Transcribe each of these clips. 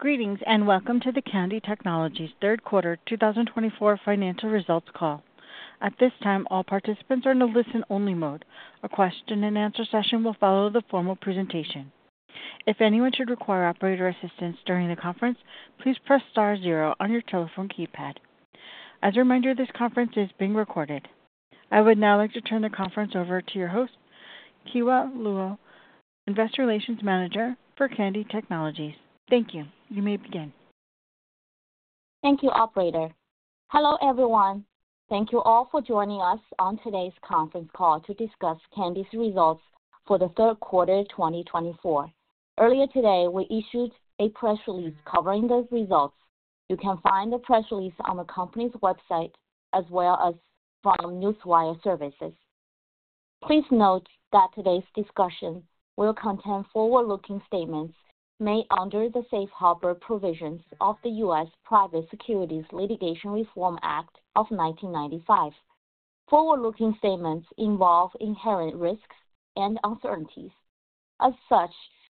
Greetings and welcome to the Kandi Technologies' third quarter 2024 financial results call. At this time, all participants are in a listen-only mode. A question-and-answer session will follow the formal presentation. If anyone should require operator assistance during the conference, please press star zero on your telephone keypad. As a reminder, this conference is being recorded. I would now like to turn the conference over to your host, Kewa Luo, Investor Relations Manager for Kandi Technologies. Thank you. You may begin. Thank you, Operator. Hello, everyone. Thank you all for joining us on today's conference call to discuss Kandi's results for the third quarter 2024. Earlier today, we issued a press release covering the results. You can find the press release on the company's website as well as from newswire services. Please note that today's discussion will contain forward-looking statements made under the safe harbor provisions of the U.S. Private Securities Litigation Reform Act of 1995. Forward-looking statements involve inherent risks and uncertainties. As such,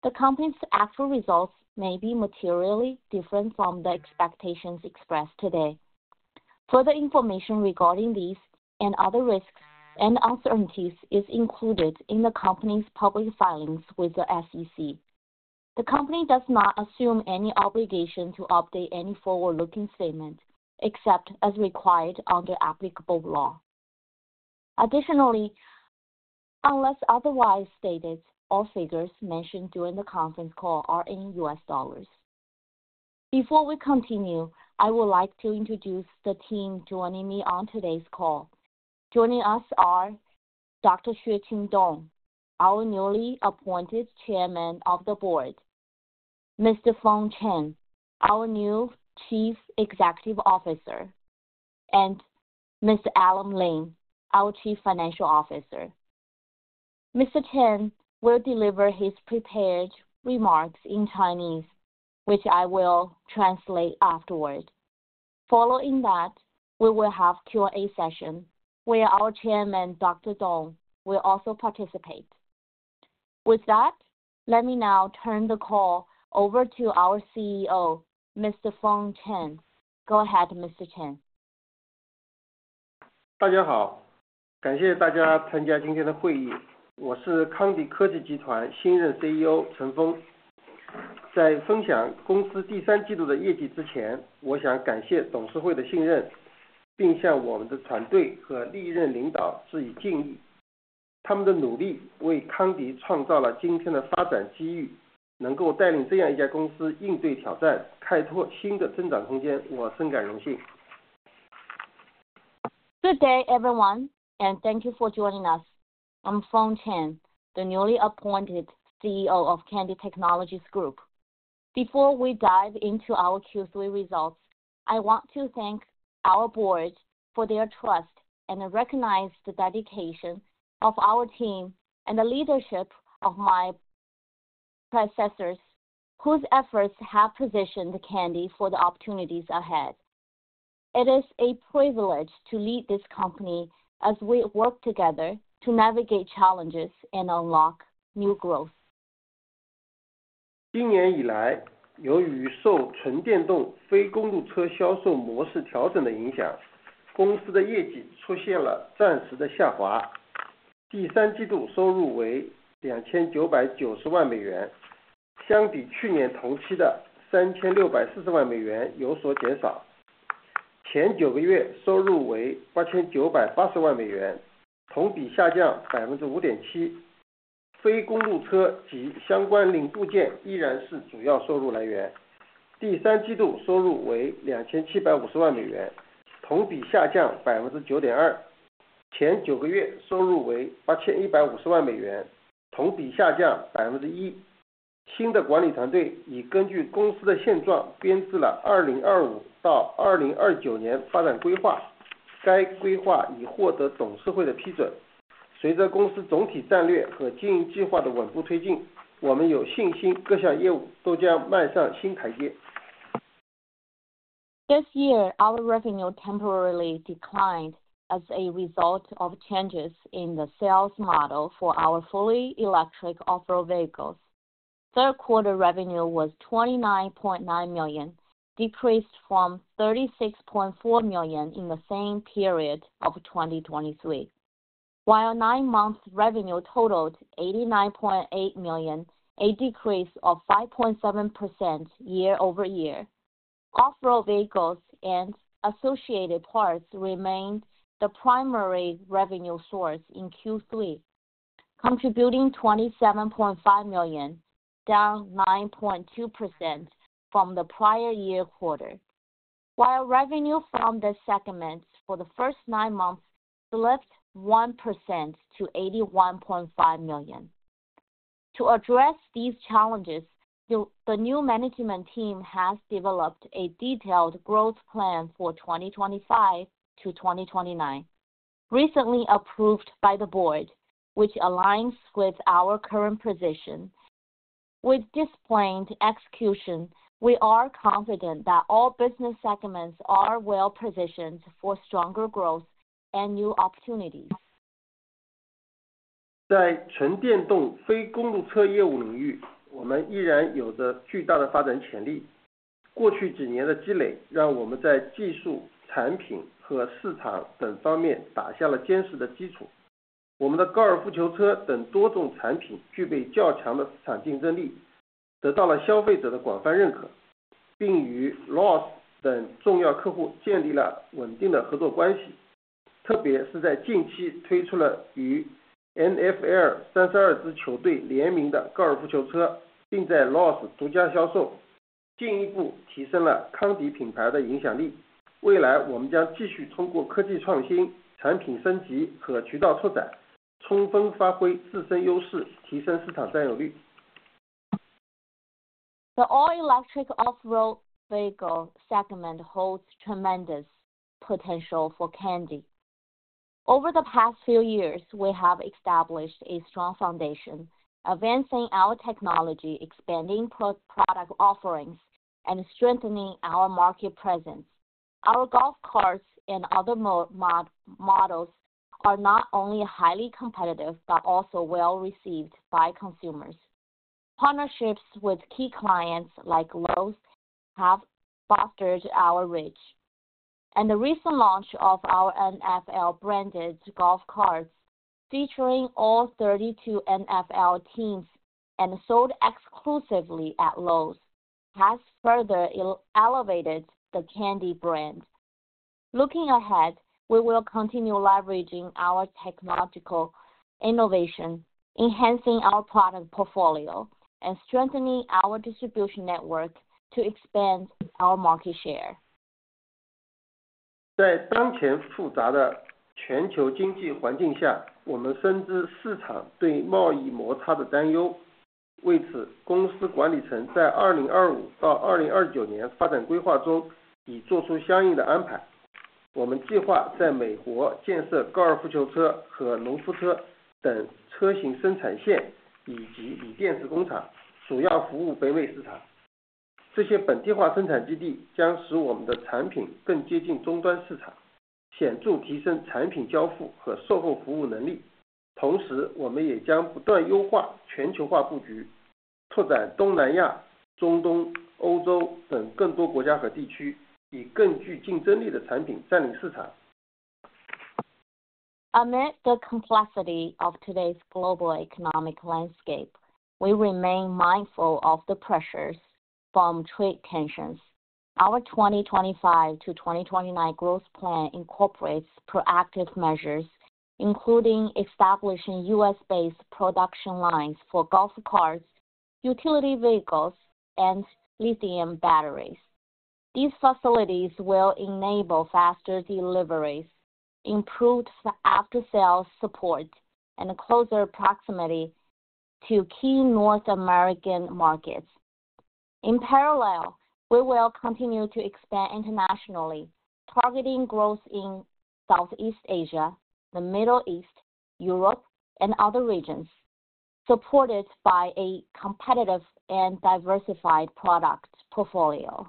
the company's actual results may be materially different from the expectations expressed today. Further information regarding these and other risks and uncertainties is included in the company's public filings with the SEC. The company does not assume any obligation to update any forward-looking statement except as required under applicable law. Additionally, unless otherwise stated, all figures mentioned during the conference call are in U.S. dollars. Before we continue, I would like to introduce the team joining me on today's call. Joining us are Dr. Xueqin Dong, our newly appointed Chairman of the Board, Mr. Feng Chen, our new Chief Executive Officer, and Mr. Alan Lim, our Chief Financial Officer. Mr. Chen will deliver his prepared remarks in Chinese, which I will translate afterward. Following that, we will have a Q&A session where our Chairman, Dr. Dong, will also participate. With that, let me now turn the call over to our CEO, Mr. Feng Chen. Go ahead, Mr. Chen. 大家好，感谢大家参加今天的会议。我是康迪科技集团新任CEO陈峰。在分享公司第三季度的业绩之前，我想感谢董事会的信任，并向我们的团队和历任领导致以敬意。他们的努力为康迪创造了今天的发展机遇，能够带领这样一家公司应对挑战，开拓新的增长空间，我深感荣幸。Good day, everyone, and thank you for joining us. I'm Feng Chen, the newly appointed CEO of Kandi Technologies Group. Before we dive into our Q3 results, I want to thank our board for their trust and recognize the dedication of our team and the leadership of my predecessors, whose efforts have positioned Kandi for the opportunities ahead. It is a privilege to lead this company as we work together to navigate challenges and unlock new growth. This year, our revenue temporarily declined as a result of changes in the sales model for our fully electric off-road vehicles. Third quarter revenue was $29.9 million, decreased from $36.4 million in the same period of 2023. While nine months' revenue totaled $89.8 million, a decrease of 5.7% year over year, off-road vehicles and associated parts remained the primary revenue source in Q3, contributing $27.5 million, down 9.2% from the prior year quarter. While revenue from the segments for the first nine months slipped 1% to $81.5 million. To address these challenges, the new management team has developed a detailed growth plan for 2025-2029, recently approved by the board, which aligns with our current position. With this planned execution, we are confident that all business segments are well-positioned for stronger growth and new opportunities. 在纯电动非公路车业务领域，我们依然有着巨大的发展潜力。过去几年的积累让我们在技术、产品和市场等方面打下了坚实的基础。我们的高尔夫球车等多种产品具备较强的市场竞争力，得到了消费者的广泛认可，并与LOS等重要客户建立了稳定的合作关系。特别是在近期推出了与NFL32支球队联名的高尔夫球车，并在LOS独家销售，进一步提升了康迪品牌的影响力。未来我们将继续通过科技创新、产品升级和渠道拓展，充分发挥自身优势，提升市场占有率。The all-electric off-road vehicle segment holds tremendous potential for Kandi. Over the past few years, we have established a strong foundation, advancing our technology, expanding product offerings, and strengthening our market presence. Our golf carts and other models are not only highly competitive but also well-received by consumers. Partnerships with key clients like Lowe's have fostered our reach, and the recent launch of our NFL-branded golf carts, featuring all 32 NFL teams and sold exclusively at Lowe's, has further elevated the Kandi brand. Looking ahead, we will continue leveraging our technological innovation, enhancing our product portfolio, and strengthening our distribution network to expand our market share. Amid the complexity of today's global economic landscape, we remain mindful of the pressures from trade tensions. Our 2025-2029 growth plan incorporates proactive measures, including establishing U.S.-based production lines for golf carts, utility vehicles, and lithium batteries. These facilities will enable faster deliveries, improved after-sales support, and closer proximity to key North American markets. In parallel, we will continue to expand internationally, targeting growth in Southeast Asia, the Middle East, Europe, and other regions, supported by a competitive and diversified product portfolio.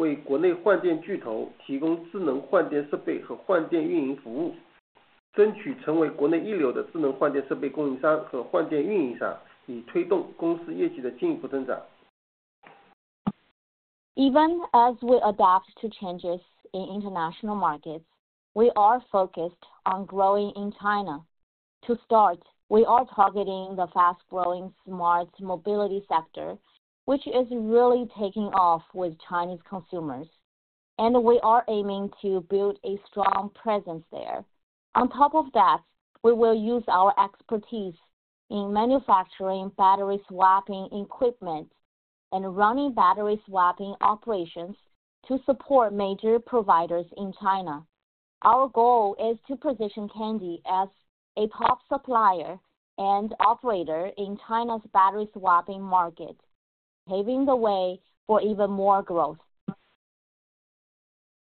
Even as we adapt to changes in international markets, we are focused on growing in China. To start, we are targeting the fast-growing smart mobility sector, which is really taking off with Chinese consumers, and we are aiming to build a strong presence there. On top of that, we will use our expertise in manufacturing battery swapping equipment and running battery swapping operations to support major providers in China. Our goal is to position Kandi as a top supplier and operator in China's battery swapping market, paving the way for even more growth.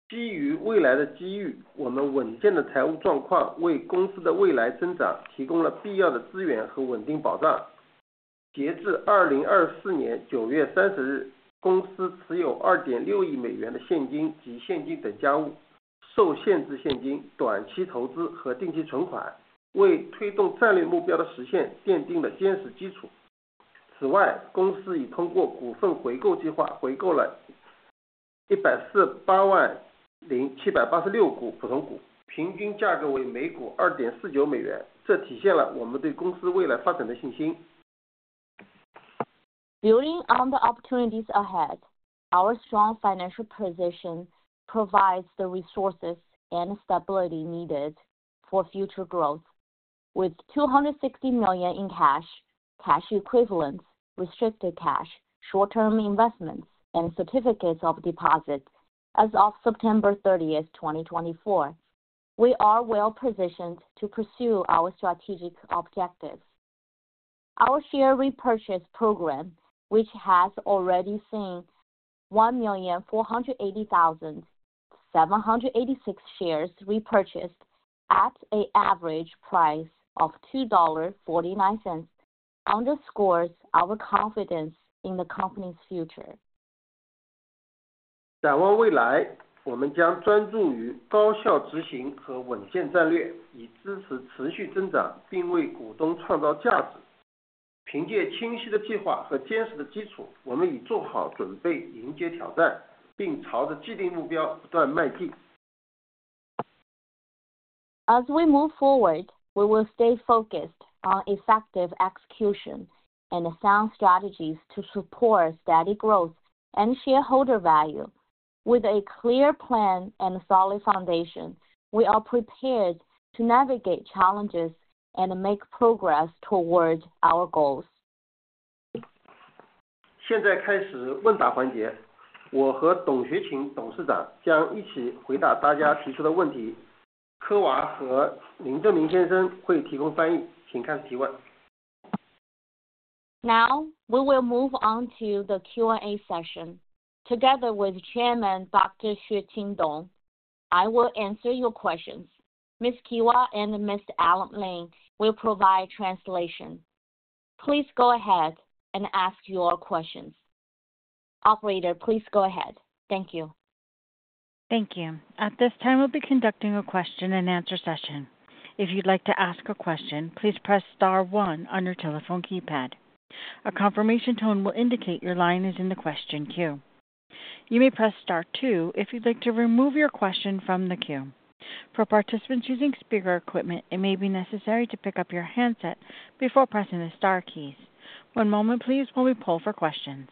基于未来的机遇，我们稳健的财务状况为公司的未来增长提供了必要的资源和稳定保障。截至2024年9月30日，公司持有2.6亿美元的现金及现金等家务，受限制现金、短期投资和定期存款，为推动战略目标的实现奠定了坚实基础。此外，公司已通过股份回购计划回购了1,480,786股普通股，平均价格为每股2.49美元。这体现了我们对公司未来发展的信心。Building on the opportunities ahead, our strong financial position provides the resources and stability needed for future growth. With $260 million in cash (cash equivalents, restricted cash, short-term investments, and certificates of deposit) as of September 30, 2024, we are well-positioned to pursue our strategic objectives. Our share repurchase program, which has already seen 1,480,786 shares repurchased at an average price of $2.49, underscores our confidence in the company's future. 在未来，我们将专注于高效执行和稳健战略，以支持持续增长并为股东创造价值。凭借清晰的计划和坚实的基础，我们已做好准备迎接挑战，并朝着既定目标不断迈进。As we move forward, we will stay focused on effective execution and sound strategies to support steady growth and shareholder value. With a clear plan and solid foundation, we are prepared to navigate challenges and make progress toward our goals. 现在开始问答环节。我和董学勤董事长将一起回答大家提出的问题。科娃和林正明先生会提供翻译，请开始提问。Now, we will move on to the Q&A session. Together with Chairman Dr. Xueqin Dong, I will answer your questions. Ms. Kewa and Ms. Allen Ling will provide translation. Please go ahead and ask your questions. Operator, please go ahead. Thank you. Thank you. At this time, we'll be conducting a question-and-answer session. If you'd like to ask a question, please press star one on your telephone keypad. A confirmation tone will indicate your line is in the question queue. You may press star two if you'd like to remove your question from the queue. For participants using speaker equipment, it may be necessary to pick up your handset before pressing the star keys. One moment, please, while we poll for questions.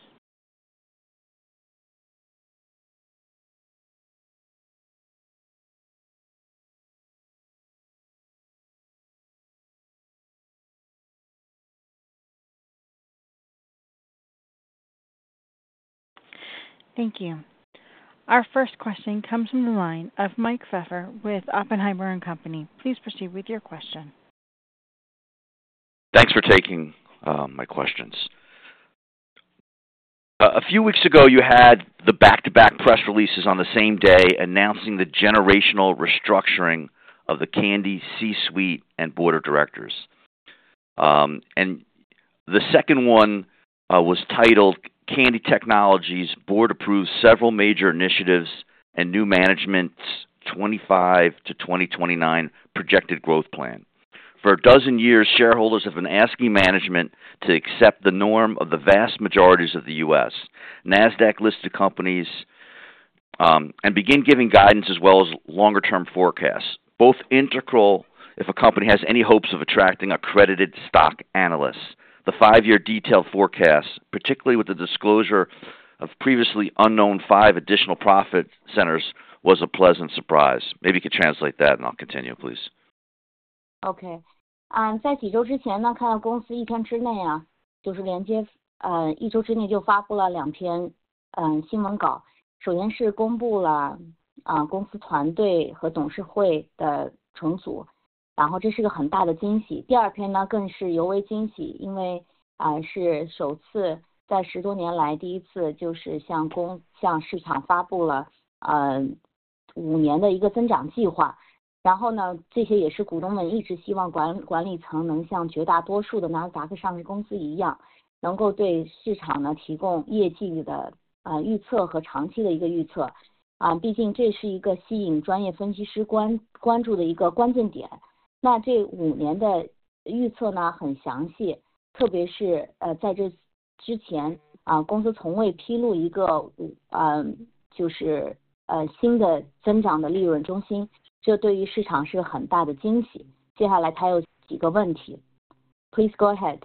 Thank you. Our first question comes from the line of Mike Pfeffer with Oppenheimer & Company. Please proceed with your question. Thanks for taking my questions. A few weeks ago, you had the back-to-back press releases on the same day announcing the generational restructuring of the Kandi C-suite and board of directors. And the second one was titled, "Kandi Technologies Board Approves Several Major Initiatives and New Management's 2025 to 2029 Projected Growth Plan." For a dozen years, shareholders have been asking management to accept the norm of the vast majorities of the U.S., Nasdaq-listed companies, and begin giving guidance as well as longer-term forecasts, both integral if a company has any hopes of attracting accredited stock analysts. The five-year detailed forecast, particularly with the disclosure of previously unknown five additional profit centers, was a pleasant surprise. Maybe you could translate that, and I'll continue, please. Okay. Please go ahead.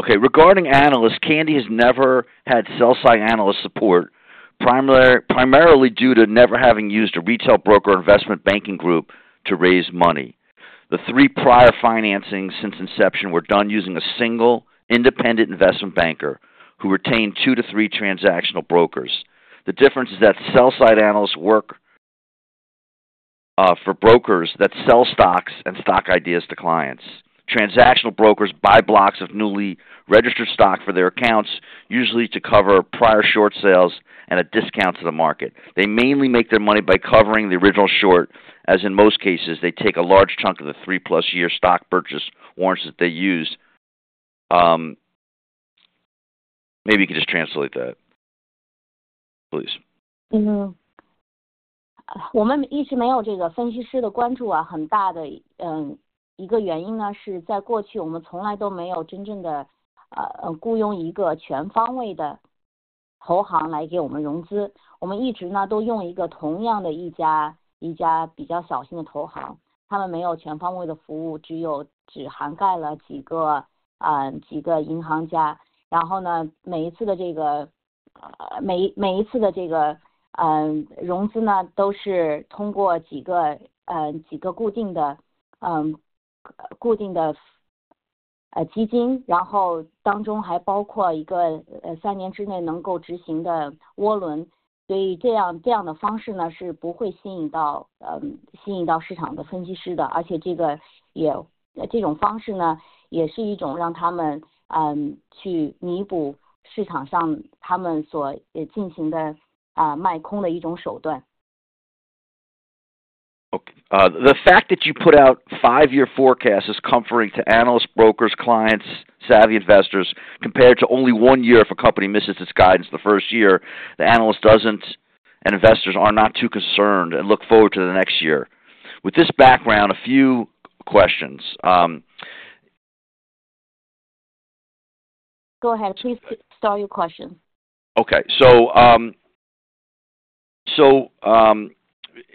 Okay. Regarding analysts, Kandi has never had sell-side analyst support, primarily due to never having used a retail broker investment banking group to raise money. The three prior financings since inception were done using a single independent investment banker who retained two to three transactional brokers. The difference is that sell-side analysts work for brokers that sell stocks and stock ideas to clients. Transactional brokers buy blocks of newly registered stock for their accounts, usually to cover prior short sales and a discount to the market. They mainly make their money by covering the original short, as in most cases, they take a large chunk of the three-plus-year stock purchase warrants that they used. Maybe you could just translate that, please. Okay. The fact that you put out five-year forecasts is comforting to analysts, brokers, clients, savvy investors. Compared to only one year, if a company misses its guidance the first year, the analyst doesn't, and investors are not too concerned and look forward to the next year. With this background, a few questions. Go ahead. Please start your question. Okay. So,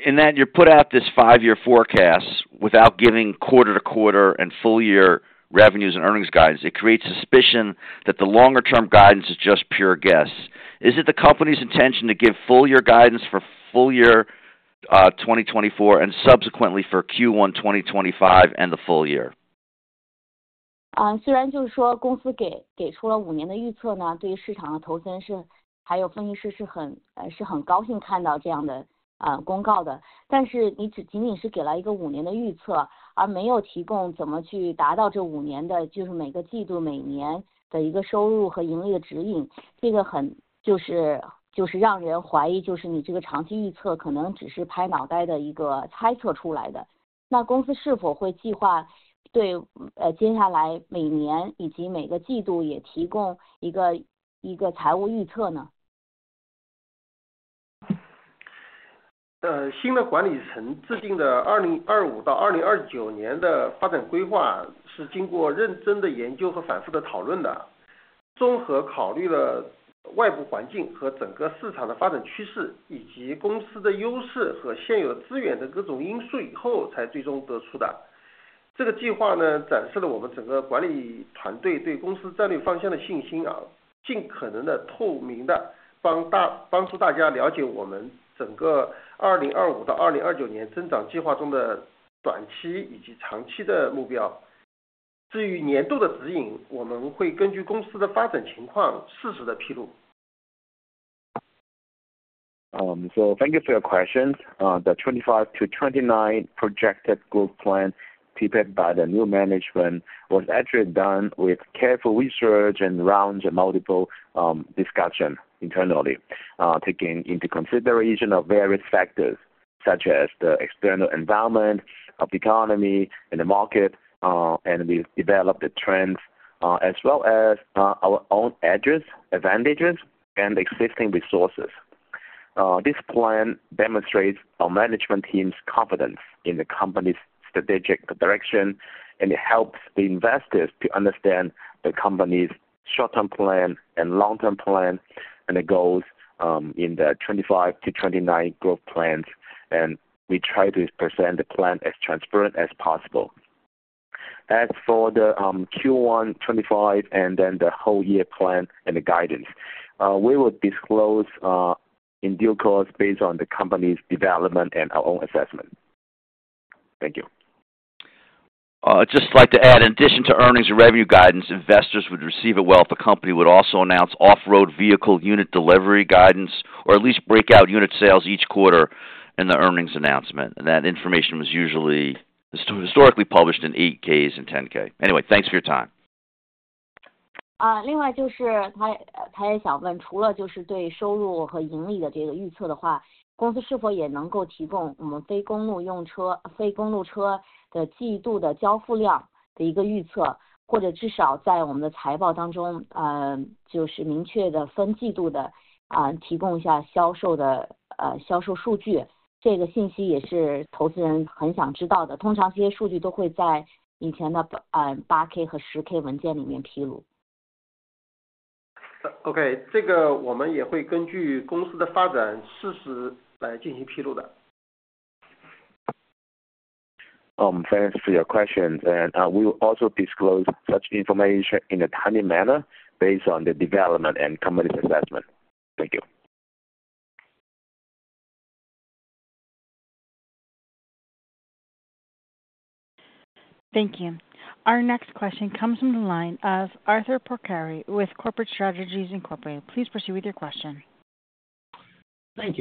in that you put out this five-year forecast without giving quarter-to-quarter and full-year revenues and earnings guidance, it creates suspicion that the longer-term guidance is just pure guess. Is it the company's intention to give full-year guidance for full-year 2024, and subsequently for Q1 2025 and the full year? So thank you for your questions. The 2025-2029 projected growth plan prepared by the new management was actually done with careful research and rounds and multiple discussion internally, taking into consideration of various factors such as the external environment of the economy and the market, and we've developed the trends, as well as our own edges, advantages, and existing resources. This plan demonstrates our management team's confidence in the company's strategic direction, and it helps the investors to understand the company's short-term plan and long-term plan and the goals in the 2025-2029 growth plans. We try to present the plan as transparent as possible. As for Q1 2025 and then the whole-year plan and the guidance, we will disclose in due course based on the company's development and our own assessment. Thank you. Just like to add, in addition to earnings and revenue guidance, investors would receive well if the company would also announce off-road vehicle unit delivery guidance or at least breakout unit sales each quarter in the earnings announcement. And that information was usually historically published in 8-Ks and 10-K. Anyway, thanks for your time. 啊，另外就是他，他也想问，除了就是对收入和盈利的这个预测的话，公司是否也能够提供我们非公路用车，非公路车的季度的交付量的一个预测，或者至少在我们的财报当中，嗯，就是明确的分季度的，啊，提供一下销售的，呃，销售数据。这个信息也是投资人很想知道的。通常这些数据都会在以前的，嗯，8K和10K文件里面披露。Okay. 这个我们也会根据公司的发展事实来进行披露的。Thanks for your questions, and we will also disclose such information in a timely manner based on the development and company's assessment. Thank you. Thank you. Our next question comes from the line of Arthur Porcheri with Corporate Strategies, Inc. Please proceed with your question. Thank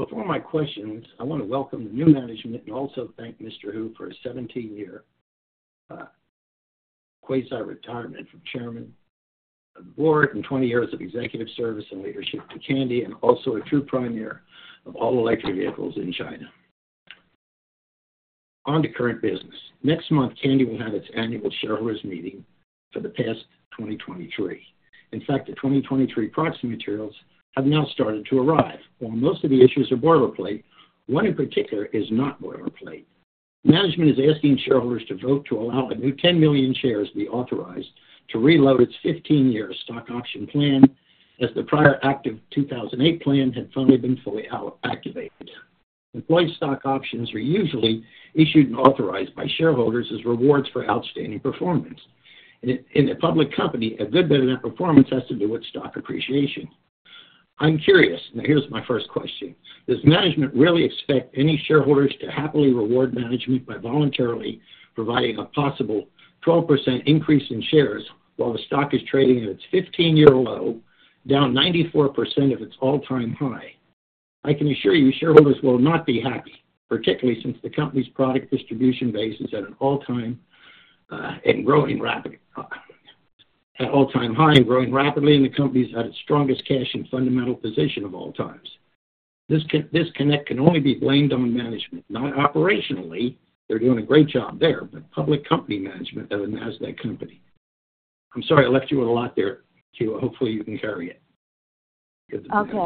you. Before my questions, I want to welcome the new management and also thank Mr. Hu for his 17-year, quasi-retirement from Chairman of the Board and 20 years of executive service and leadership to Kandi and also a true pioneer of all electric vehicles in China. On to current business. Next month, Kandi will have its annual shareholders' meeting for the past 2023. In fact, the 2023 proxy materials have now started to arrive. While most of the issues are boilerplate, one in particular is not boilerplate. Management is asking shareholders to vote to allow a new 10 million shares to be authorized to reload its 15-year stock option plan as the prior active 2008 plan had finally been fully activated. Employee stock options are usually issued and authorized by shareholders as rewards for outstanding performance. In a public company, a good bit of that performance has to do with stock appreciation. I'm curious, and here's my first question. Does management really expect any shareholders to happily reward management by voluntarily providing a possible 12% increase in shares while the stock is trading at its 15-year low, down 94% of its all-time high? I can assure you shareholders will not be happy, particularly since the company's product distribution base is at an all-time high and growing rapidly, and the company's at its strongest cash and fundamental position of all time. This disconnect can only be blamed on management, not operationally. They're doing a great job there, but public company management of a Nasdaq company. I'm sorry I left you with a lot there, Q. Hopefully you can carry it. Okay.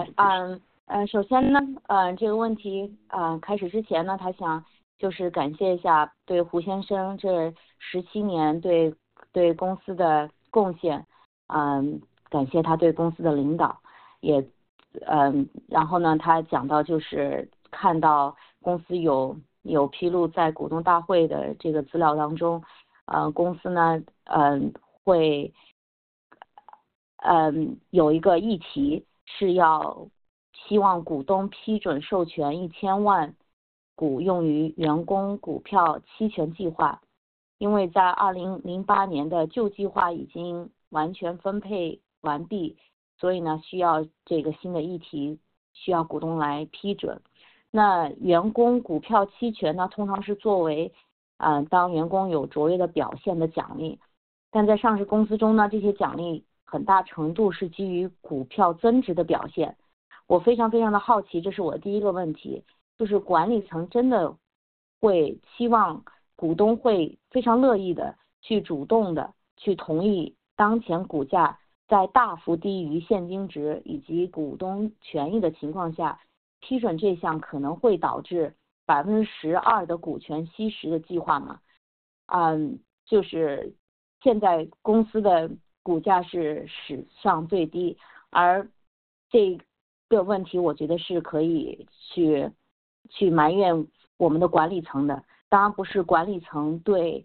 Okay.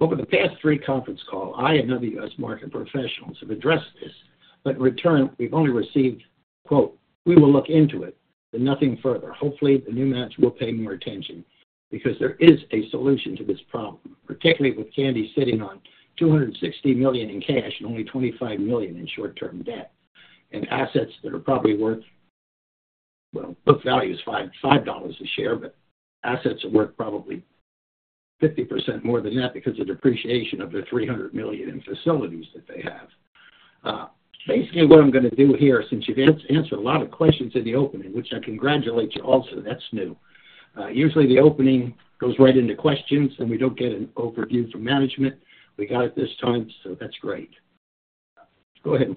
Over the past three conference calls, I and other U.S. market professionals have addressed this, but in return, we've only received, quote, "We will look into it, but nothing further." Hopefully the new management will pay more attention because there is a solution to this problem, particularly with Kandi sitting on $260 million in cash and only $25 million in short-term debt and assets that are probably worth, well, book value is $5 a share, but assets are worth probably 50% more than that because of depreciation of the $300 million in facilities that they have. Basically what I'm going to do here, since you've answered a lot of questions in the opening, which I congratulate you also, that's new, usually the opening goes right into questions and we don't get an overview from management. We got it this time, so that's great. Go ahead and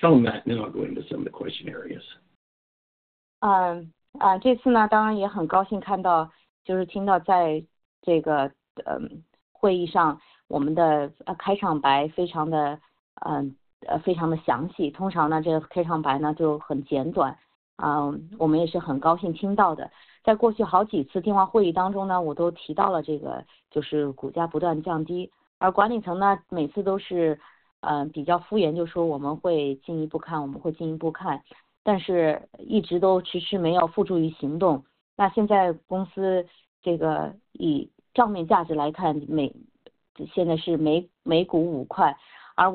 tell them that, and then I'll go into some of the question areas. 这次，当然也很高兴看到，就是听到在这个会议上我们的开场白非常详细。通常，这个开场白就很简短。我们也是很高兴听到的。在过去好几次电话会议当中，我都提到了这个，就是股价不断降低，而管理层每次都是比较敷衍，就说我们会进一步看，我们会进一步看，但是一直都迟迟没有付诸于行动。那现在公司以账面价值来看，每股现在是$5，而我们的实际交易价格是每股$1多。而且我们所拥有的现金也大大多于我们的负债。所以，这是很令人不满意的。Go ahead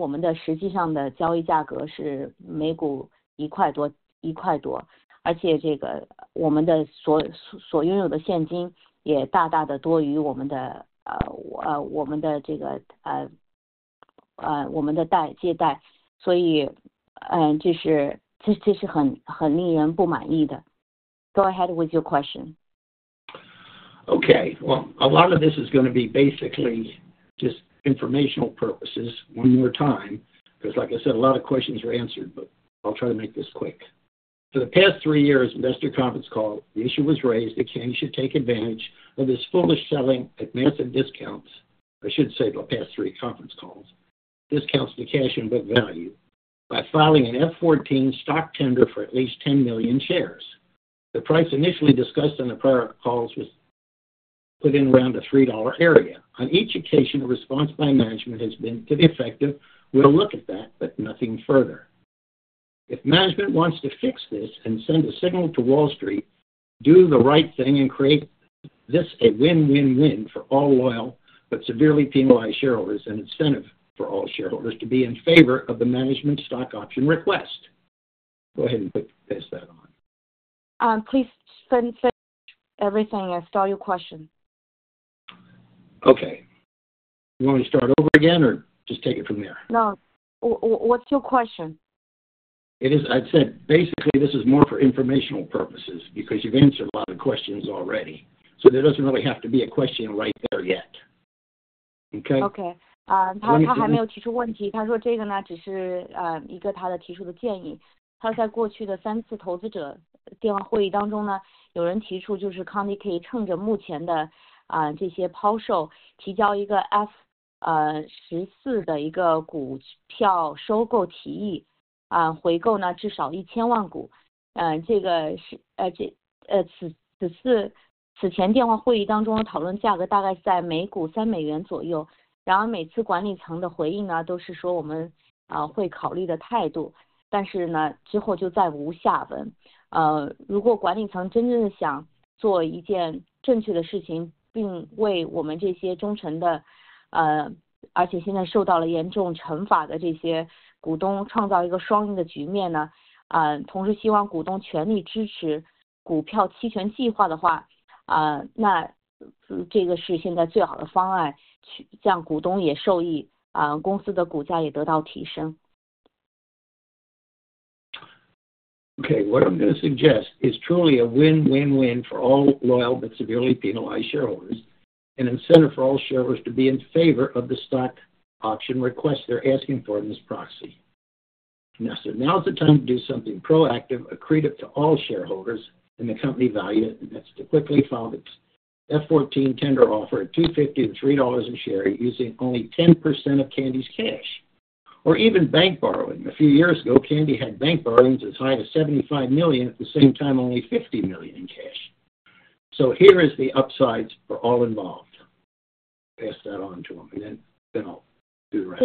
with your question. Okay. Well, a lot of this is going to be basically just informational purposes one more time, because like I said, a lot of questions were answered, but I'll try to make this quick. For the past three years, investor conference call, the issue was raised that Kandi should take advantage of this foolish selling at massive discounts. I should say the past three conference calls, discounts to cash and book value by filing an F-14 stock tender for at least 10 million shares. The price initially discussed on the prior calls was put in around a $3 area. On each occasion, a response by management has been to be effective. We'll look at that, but nothing further. If management wants to fix this and send a signal to Wall Street, do the right thing and create this a win-win-win for all loyal but severely penalized shareholders and incentive for all shareholders to be in favor of the management stock option request. Go ahead and pass that on. Please send everything. I stall your question. Okay. You want me to start over again or just take it from there? No. What's your question? It is, as I said, basically this is more for informational purposes because you've answered a lot of questions already, so there doesn't really have to be a question right there yet. Okay? Okay. Kandi Okay. What I'm going to suggest is truly a win-win-win for all loyal but severely penalized shareholders and incentive for all shareholders to be in favor of the stock option request they're asking for in this proxy. Now, so now's the time to do something proactive, accretive to all shareholders and the company value, and that's to quickly file the F-14 tender offer at $2.50 and $3 a share using only 10% of Kandi's cash or even bank borrowing. A few years ago, Kandi had bank borrowings as high as $75 million at the same time, only $50 million in cash. So here is the upside for all involved. Pass that on to him, and then I'll do the rest.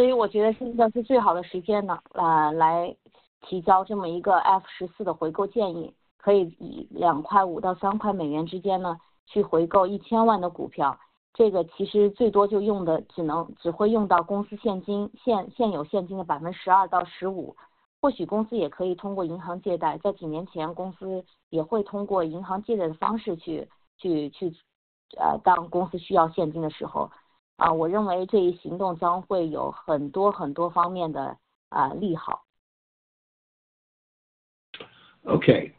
所以我觉得现在是最好的时间呢，呃，来提交这么一个F14的回购建议，可以以两块5到3块美元之间呢去回购1,000万的股票。这个其实最多就用的只能只会用到公司现金，现现有现金的12%到15%。或许公司也可以通过银行借贷，在几年前公司也会通过银行借贷的方式去去去，呃，当公司需要现金的时候，啊，我认为这一行动将会有很多很多方面的，呃，利好。Okay.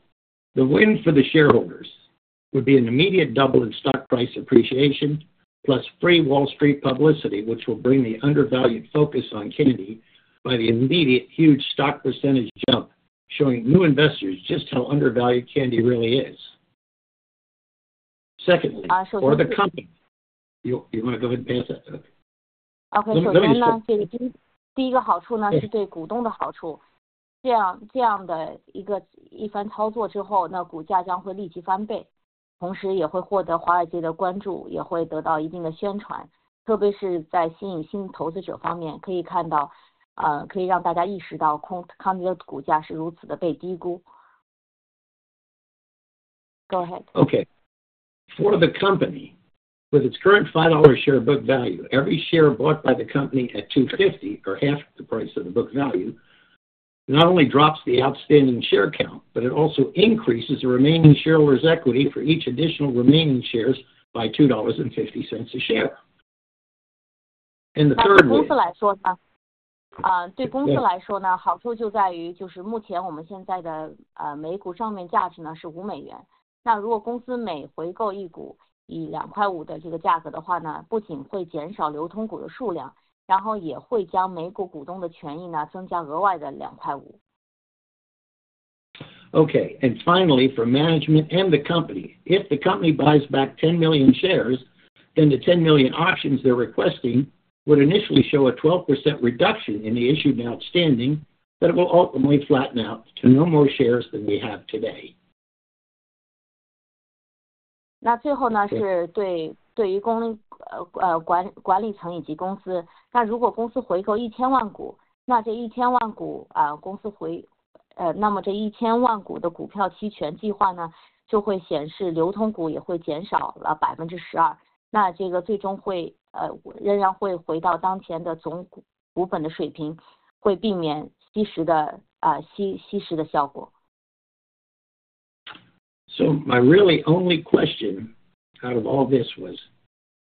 The win for the shareholders would be an immediate double in stock price appreciation plus free Wall Street publicity, which will bring the undervalued focus on Kandi by the immediate huge stock percentage jump, showing new investors just how undervalued Kandi really is. Secondly. 啊，所以说。For the company. You want to go ahead and pass that? Okay. So going on Kandi，第一个好处呢是对股东的好处，这样这样的一个一番操作之后，那股价将会立即翻倍，同时也会获得华尔街的关注，也会得到一定的宣传，特别是在吸引新投资者方面，可以看到，可以让大家意识到Kandi的股价是如此的被低估. Go ahead. Okay. For the company, with its current $5 share book value, every share bought by the company at $2.50 or half the price of the book value not only drops the outstanding share count, but it also increases the remaining shareholders' equity for each additional remaining shares by $2.50 a share. And the third way. 对公司来说呢，呃，对公司来说呢，好处就在于就是目前我们现在的，呃，每股上面价值呢是5美元。那如果公司每回购一股以两块5的这个价格的话呢，不仅会减少流通股的数量，然后也会将每股股东的权益呢增加额外的两块5。Okay, and finally, for management and the company, if the company buys back 10 million shares, then the 10 million options they're requesting would initially show a 12% reduction in the issued outstanding, but it will ultimately flatten out to no more shares than we have today. 那最后呢是对对于工，呃，管理管理层以及公司，那如果公司回购1,000万股，那这1,000万股，呃，公司回，呃，那么这1,000万股的股票期权计划呢，就会显示流通股也会减少了12%。那这个最终会，呃，仍然会回到当前的总股本的水平，会避免稀释的，呃，稀稀释的效果。So my really only question out of all this was,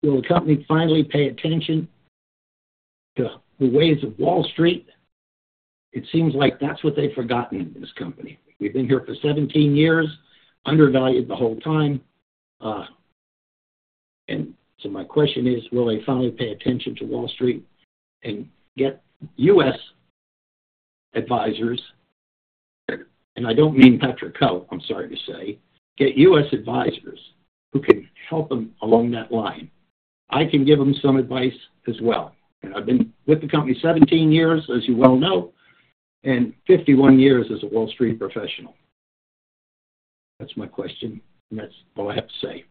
will the company finally pay attention to the ways of Wall Street? It seems like that's what they've forgotten in this company. We've been here for 17 years, undervalued the whole time, and so my question is, will they finally pay attention to Wall Street and get U.S. advisors? And I don't mean Patrick Cowe, I'm sorry to say, get U.S. advisors who can help them along that line. I can give them some advice as well, and I've been with the company 17 years, as you well know, and 51 years as a Wall Street professional. That's my question, and that's all I have to say.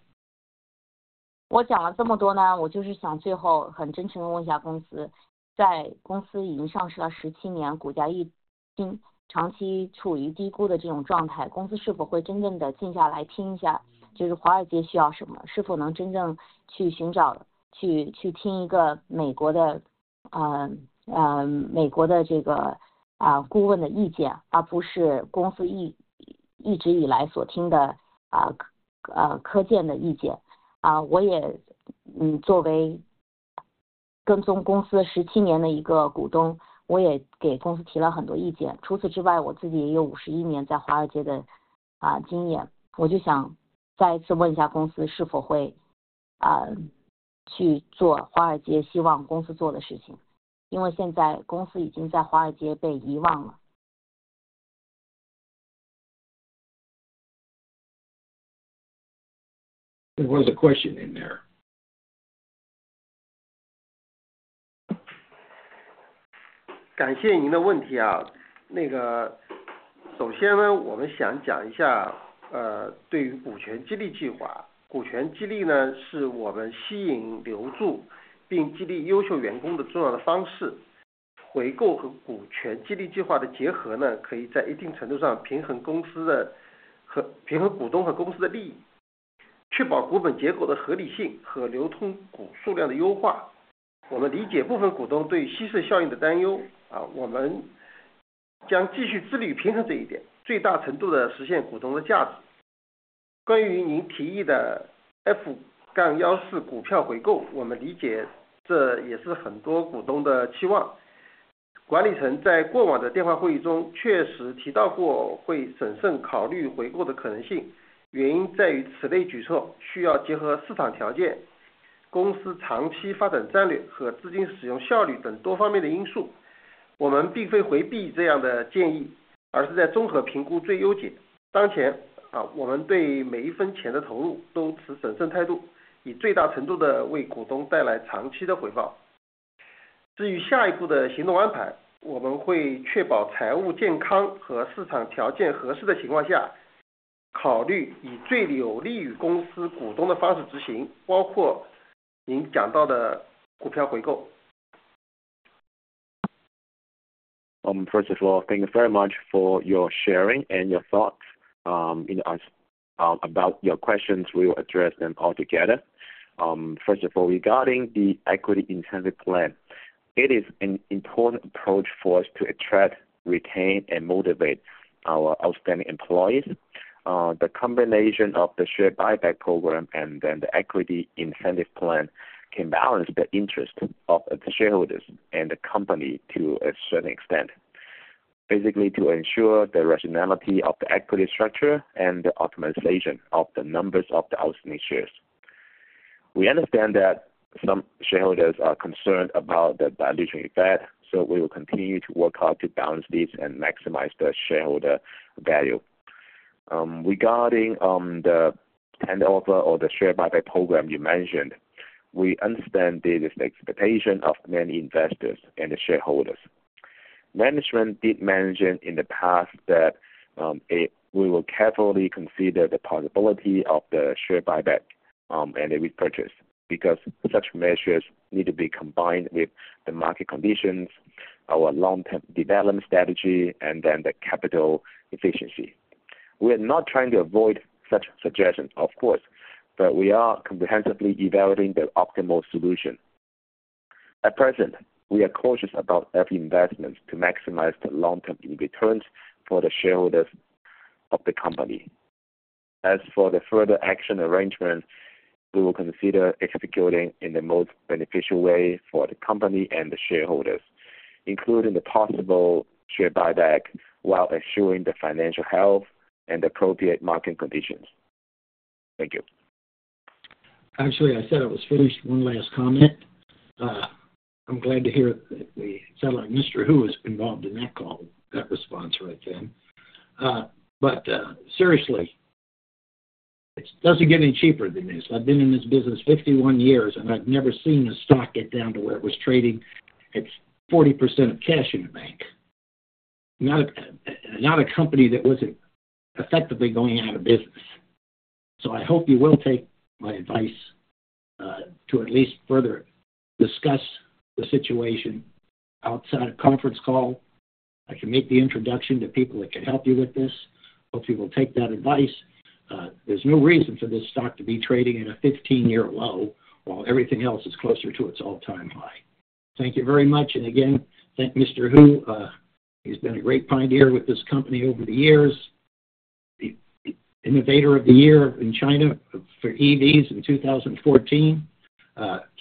There was a question in there. First of all, thanks very much for your sharing and your thoughts, you know, about your questions we will address them all together. First of all, regarding the equity incentive plan, it is an important approach for us to attract, retain, and motivate our outstanding employees. The combination of the share buyback program and then the equity incentive plan can balance the interest of the shareholders and the company to a certain extent, basically to ensure the rationality of the equity structure and the optimization of the numbers of the outstanding shares. We understand that some shareholders are concerned about the dilution effect, so we will continue to work hard to balance these and maximize the shareholder value. Regarding the tender offer or the share buyback program you mentioned, we understand this is the expectation of many investors and the shareholders. Management did mention in the past that we will carefully consider the possibility of the share buyback and the repurchase because such measures need to be combined with the market conditions, our long-term development strategy, and the capital efficiency. We are not trying to avoid such suggestions, of course, but we are comprehensively evaluating the optimal solution. At present, we are cautious about every investment to maximize the long-term returns for the shareholders of the company. As for the further action arrangement, we will consider executing in the most beneficial way for the company and the shareholders, including the possible share buyback while assuring the financial health and appropriate market conditions. Thank you. Actually, I said I was finished. One last comment. I'm glad to hear that that sounds like Mr. Hu was involved in that call, that response right then. But, seriously, it doesn't get any cheaper than this. I've been in this business 51 years, and I've never seen a stock get down to where it was trading at 40% of cash in the bank, not a company that wasn't effectively going out of business. So I hope you will take my advice, to at least further discuss the situation outside a conference call. I can make the introduction to people that can help you with this. Hope you will take that advice. There's no reason for this stock to be trading at a 15-year low while everything else is closer to its all-time high. Thank you very much. And again, thank Mr. Hu. He's been a great pioneer with this company over the years, innovator of the year in China for EVs in 2014.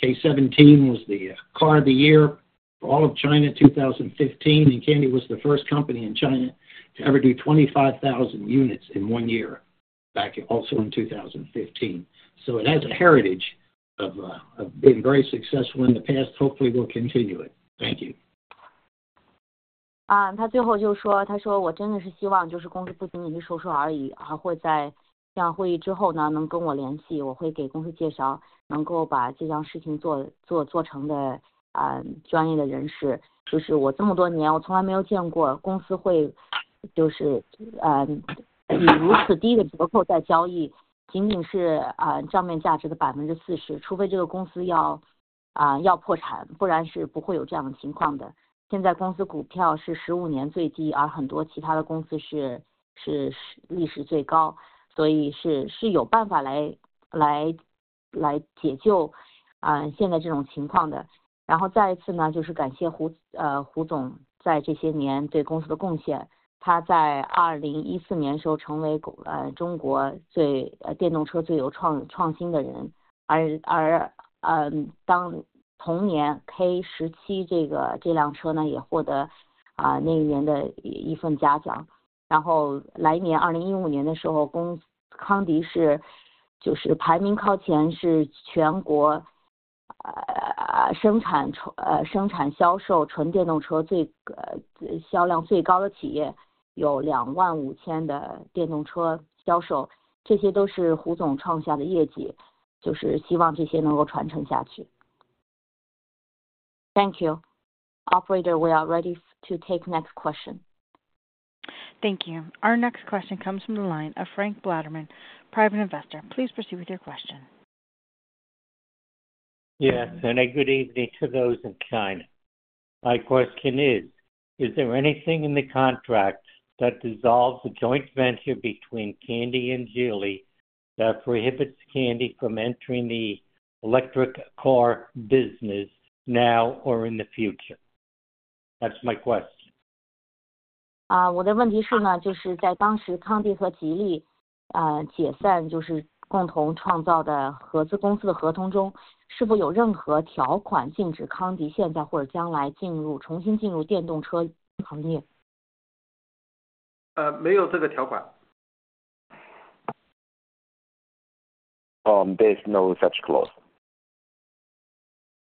K17 was the car of the year for all of China in 2015, and Kandi was the first company in China to ever do 25,000 units in one year back also in 2015. So it has a heritage of being very successful in the past. Hopefully, we'll continue it. Thank you. 他最后就说，他说我真的是希望公司不仅仅是收收而已，而会在这样会议之后，能跟我联系。我会给公司介绍能够把这件事情做成的专业人士。就是我这么多年，我从来没有见过公司会以如此低的折扣在交易，仅仅是账面价值的40%。除非这个公司要破产，不然是不会有这样的情况的。现在公司股票是15年最低，而很多其他的公司是历史最高。所以是有办法来解救现在这种情况的。然后再一次，就是感谢胡总在这些年对公司的贡献。他在2014年时候成为中国电动车最有创新的人。而，当同年K17这个这辆车，也获得那一年的一份嘉奖。然后来年2015年的时候，公司Kandi就是排名靠前，是全国生产销售纯电动车销量最高的企业，有25,000的电动车销售。这些都是胡总创下的业绩，就是希望这些能够传承下去。Thank you. Operator, we are ready to take next question. Thank you. Our next question comes from the line of Frank Blatterman, private investor. Please proceed with your question. Yes, and a good evening to those in China. My question is, is there anything in the contract that dissolves the joint venture between Kandi and Geely that prohibits Kandi from entering the electric car business now or in the future? That's my question. 啊，我的问题是呢，就是在当时康迪和吉利，呃，解散就是共同创造的合资公司的合同中，是否有任何条款禁止康迪现在或者将来进入重新进入电动车行业？ 没有这个条款. There's no such clause.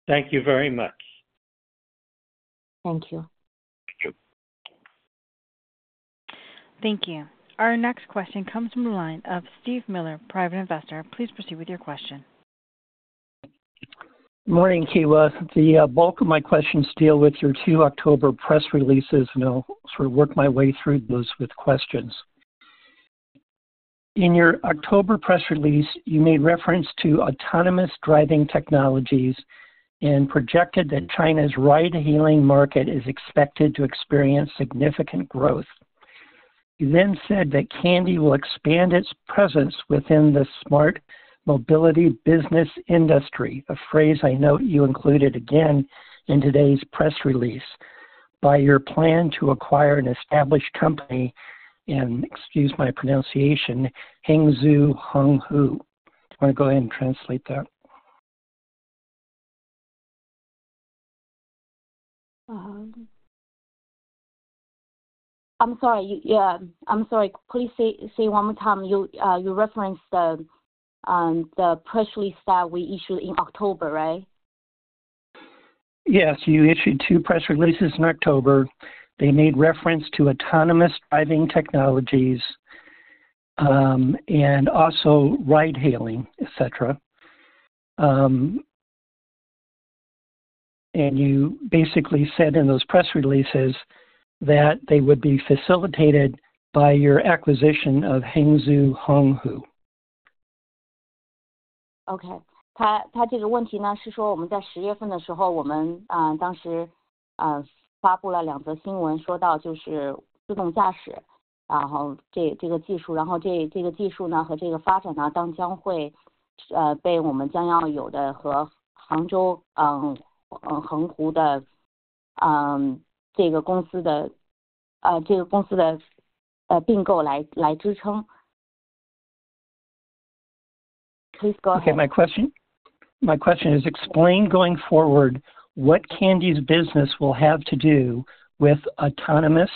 Thank you very much. Thank you. Thank you. Thank you. Our next question comes from the line of Steve Miller, private investor. Please proceed with your question. Good morning, Kewa. The bulk of my questions deal with your two October press releases, and I'll sort of work my way through those with questions. In your October press release, you made reference to autonomous driving technologies and projected that China's ride-hailing market is expected to experience significant growth. You then said that Kandi will expand its presence within the smart mobility business industry, a phrase I note you included again in today's press release, by your plan to acquire an established company in, excuse my pronunciation, Hangzhou Honghu. Do you want to go ahead and translate that? I'm sorry, please say one more time. You referenced the press release that we issued in October, right? Yes, you issued two press releases in October. They made reference to autonomous driving technologies, and also ride-hailing, et cetera, and you basically said in those press releases that they would be facilitated by your acquisition of Hangzhou Honghu. Okay, 这个问题的，是说我们在10月份的时候，我们当时发布了两则新闻，说到就是自动驾驶，然后这个技术和这个发展，将会被我们将要有的和Hangzhou Honghu这个公司的并购来支撑。Please go ahead. Okay, my question, my question is, explain going forward what Kandi's business will have to do with autonomous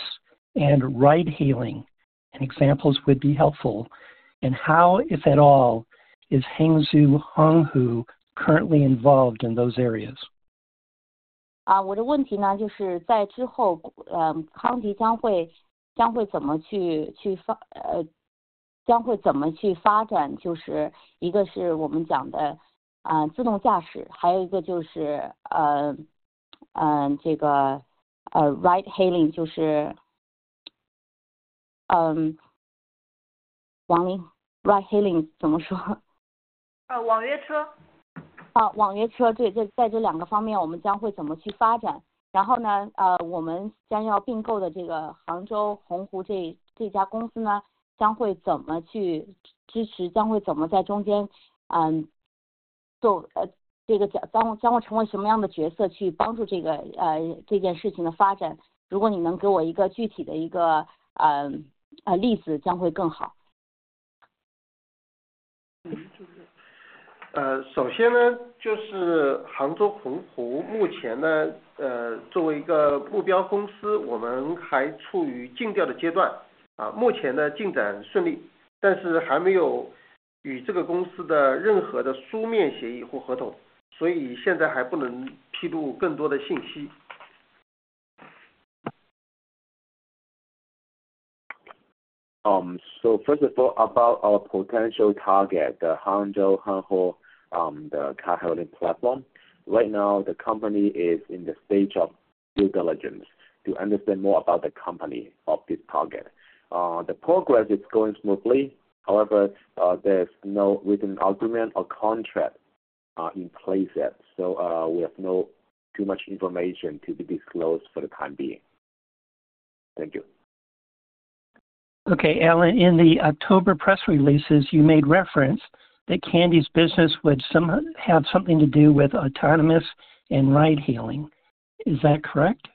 and ride-hailing, and examples would be helpful, and how, if at all, is Hangzhou Honghu currently involved in those areas? 啊，我的问题呢，就是在之后，嗯，康迪将会将会怎么去去发，呃，将会怎么去发展，就是一个是我们讲的啊，自动驾驶，还有一个就是呃呃，这个呃，ride-hailing，就是嗯，王林，ride-hailing怎么说？ 呃，首先呢，就是杭州洪湖目前呢，呃，作为一个目标公司，我们还处于竞调的阶段啊，目前呢，进展顺利，但是还没有与这个公司的任何的书面协议或合同，所以现在还不能披露更多的信息。First of all, about our potential target, the Hangzhou Honghu, the car-hailing platform. Right now, the company is in the stage of due diligence to understand more about the company of this target. The progress is going smoothly. However, there's no written agreement or contract in place yet, so we have no too much information to be disclosed for the time being. Thank you. Okay, Allen, in the October press releases, you made reference that Kandi's business would have something to do with autonomous and ride-hailing. Is that correct?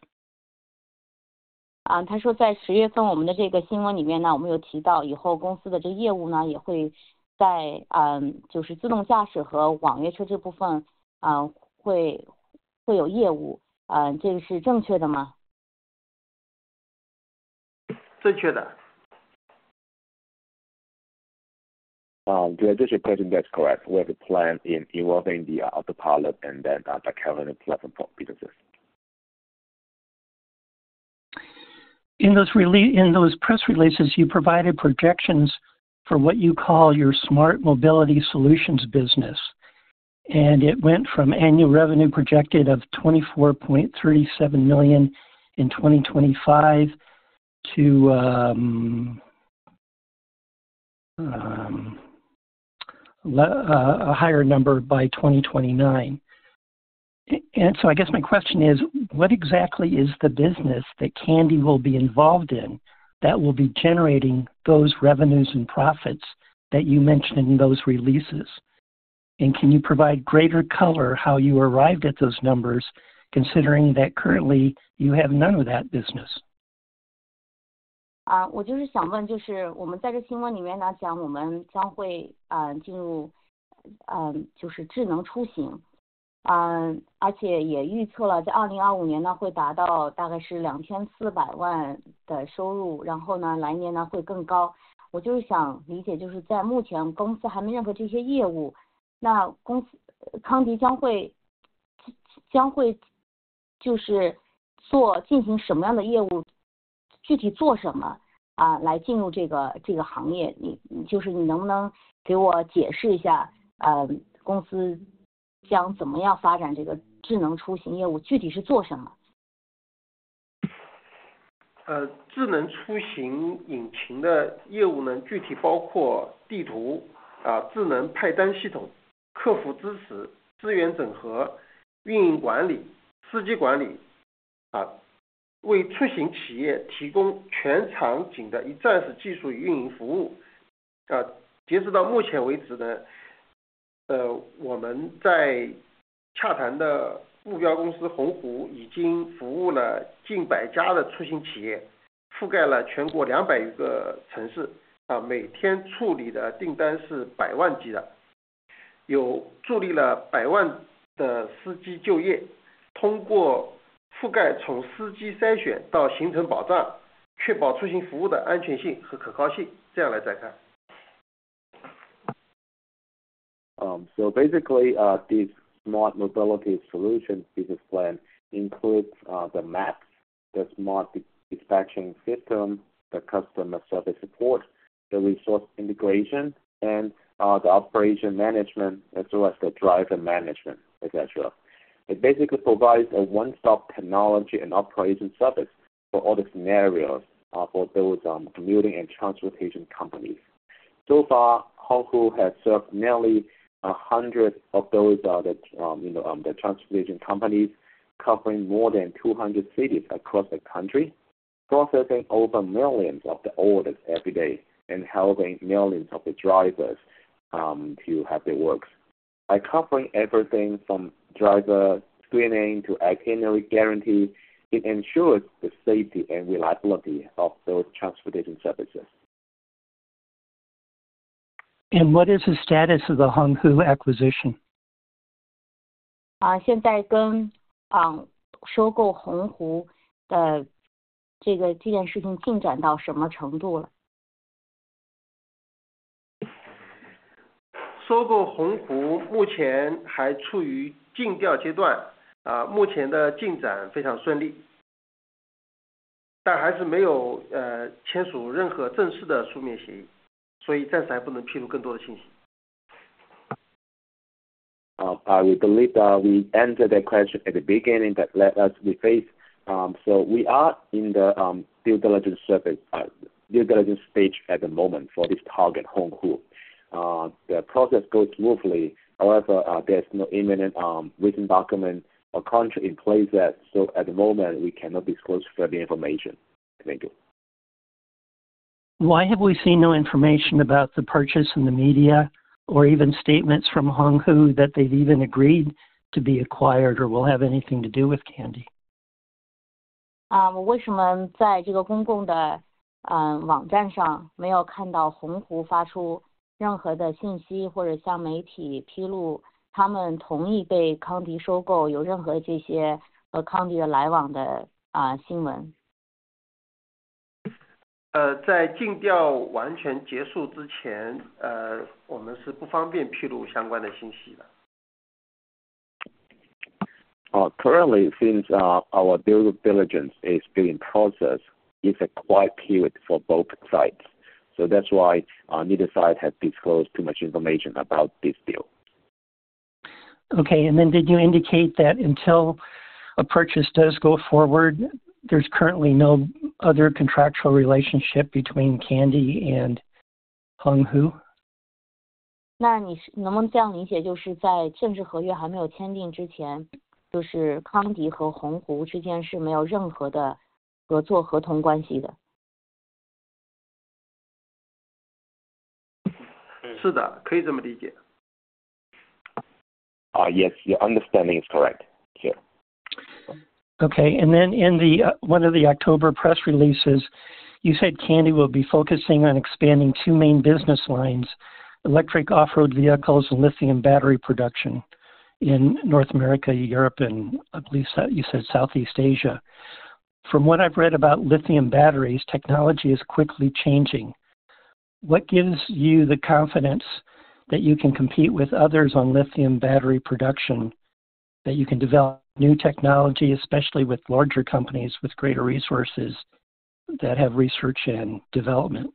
啊，他说在10月份我们的这个新闻里面呢，我们有提到以后公司的这业务呢，也会在嗯，就是自动驾驶和网约车这部分啊，会会有业务，嗯，这个是正确的吗？ 正确的。Yeah, this is a question that's correct. We have a plan involving the autopilot and then the ride-hailing platform for businesses. In those press releases, you provided projections for what you call your smart mobility solutions business, and it went from annual revenue projected of $24.37 million in 2025 to a higher number by 2029. And so I guess my question is, what exactly is the business that Kandi will be involved in that will be generating those revenues and profits that you mentioned in those releases? And can you provide greater color how you arrived at those numbers, considering that currently you have none of that business? So basically, this smart mobility solution business plan includes the maps, the smart dispatching system, the customer service support, the resource integration, and the operation management, as well as the driver management, et cetera. It basically provides a one-stop technology and operation service for all the scenarios for those commuting and transportation companies. So far, Honghu has served nearly a hundred of those, you know, transportation companies, covering more than 200 cities across the country, processing over millions of the orders every day and helping millions of the drivers to have their work. By covering everything from driver screening to itinerary guarantee, it ensures the safety and reliability of those transportation services. What is the status of the Honghu acquisition? 啊，现在跟嗯收购洪湖的这个这件事情进展到什么程度了？ 收购洪湖目前还处于竞调阶段啊，目前的进展非常顺利，但还是没有呃签署任何正式的书面协议，所以暂时还不能披露更多的信息。We believe we answered that question at the beginning that lets us refresh, so we are in the due diligence phase at the moment for this target Honghu. The process goes smoothly, however, there's no imminent written document or contract in place yet, so at the moment we cannot disclose further information. Thank you. Why have we seen no information about the purchase in the media or even statements from Honghu that they've even agreed to be acquired or will have anything to do with Kandi? 啊，我为什么在这个公共的嗯网站上没有看到洪湖发出任何的信息或者向媒体披露他们同意被康迪收购有任何这些和康迪的来往的啊新闻？ 呃，在竞调完全结束之前，呃，我们是不方便披露相关的信息的。Currently, since our due diligence is still in process, it's a quiet period for both sides, so that's why neither side has disclosed too much information about this deal. Okay, and then did you indicate that until a purchase does go forward, there's currently no other contractual relationship between Kandi and Honghu? 那你能不能这样理解，就是在正式合约还没有签订之前，就是康迪和洪湖之间是没有任何的合作合同关系的？ 是的，可以这么理解。Yes, your understanding is correct, sir. Okay, and then in the one of the October press releases, you said Kandi will be focusing on expanding two main business lines: electric off-road vehicles and lithium battery production in North America, Europe, and at least you said Southeast Asia. From what I've read about lithium batteries, technology is quickly changing. What gives you the confidence that you can compete with others on lithium battery production, that you can develop new technology, especially with larger companies with greater resources that have research and development?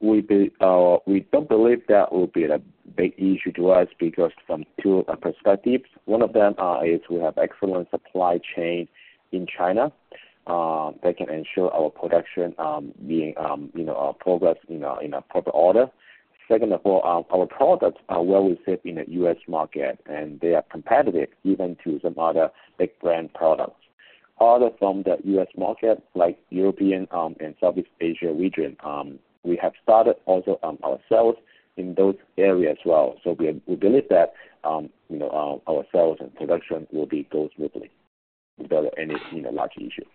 We don't believe that will be a big issue to us because from two perspectives. One of them is we have excellent supply chain in China that can ensure our production being you know progress in a proper order. Second of all, our products are well received in the U.S. market and they are competitive even to some other big brand products. Other from the U.S. market like European and Southeast Asia region we have started also sales in those areas as well, so we believe that you know sales and production will go smoothly without any you know large issues.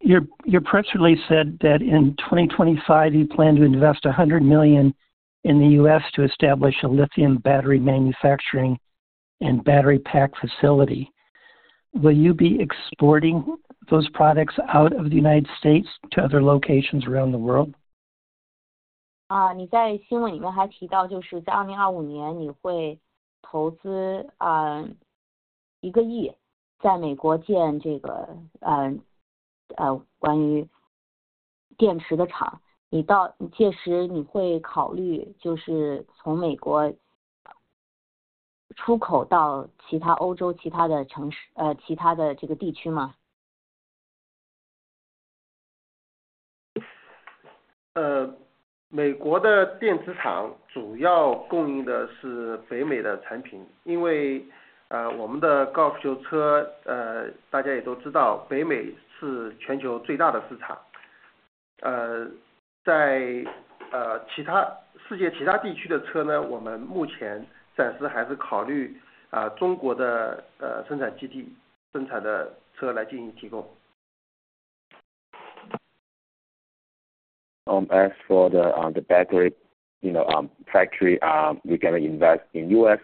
Your press release said that in 2025 you plan to invest $100 million in the U.S. to establish a lithium battery manufacturing and battery pack facility. Will you be exporting those products out of the United States to other locations around the world? 啊，你在新闻里面还提到，就是在2025年你会投资嗯一个亿在美国建这个嗯呃关于电池的厂，你到届时你会考虑就是从美国出口到其他欧洲其他的城市呃其他的这个地区吗？ As for the battery, you know, factory we're gonna invest in the U.S.,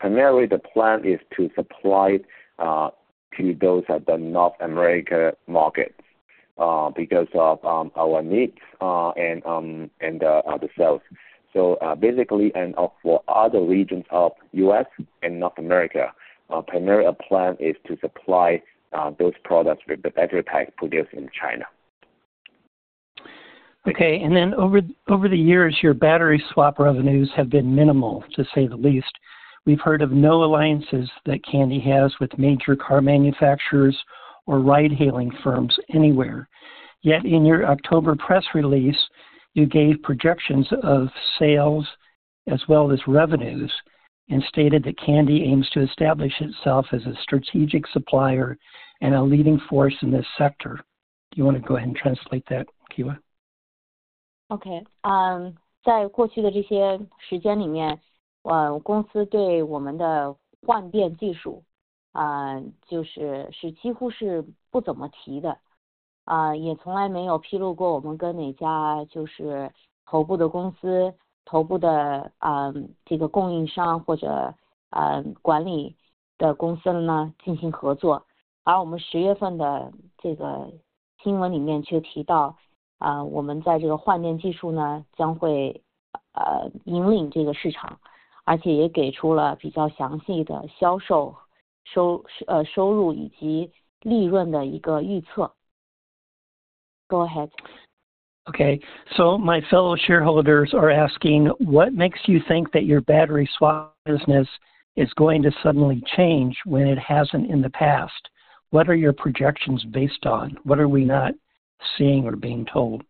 primarily the plan is to supply to those at the North America market because of our needs and the sales. So basically, and for other regions of the U.S. and North America, primarily our plan is to supply those products with the battery pack produced in China. Okay, and then over the years your battery swap revenues have been minimal to say the least. We've heard of no alliances that Kandi has with major car manufacturers or ride-hailing firms anywhere. Yet in your October press release you gave projections of sales as well as revenues and stated that Kandi aims to establish itself as a strategic supplier and a leading force in this sector. Do you want to go ahead and translate that, Kewa? Okay，在过去的这些时间里面，公司对我们的换电技术就是是几乎是不怎么提的，也从来没有披露过我们跟哪家就是头部的公司，头部的这个供应商或者管理的公司呢进行合作。而我们10月份的这个新闻里面却提到，我们在这个换电技术呢将会引领这个市场，而且也给出了比较详细的销售收入以及利润的一个预测。Go ahead. Okay, so my fellow shareholders are asking what makes you think that your battery swap business is going to suddenly change when it hasn't in the past? What are your projections based on? What are we not seeing or being told?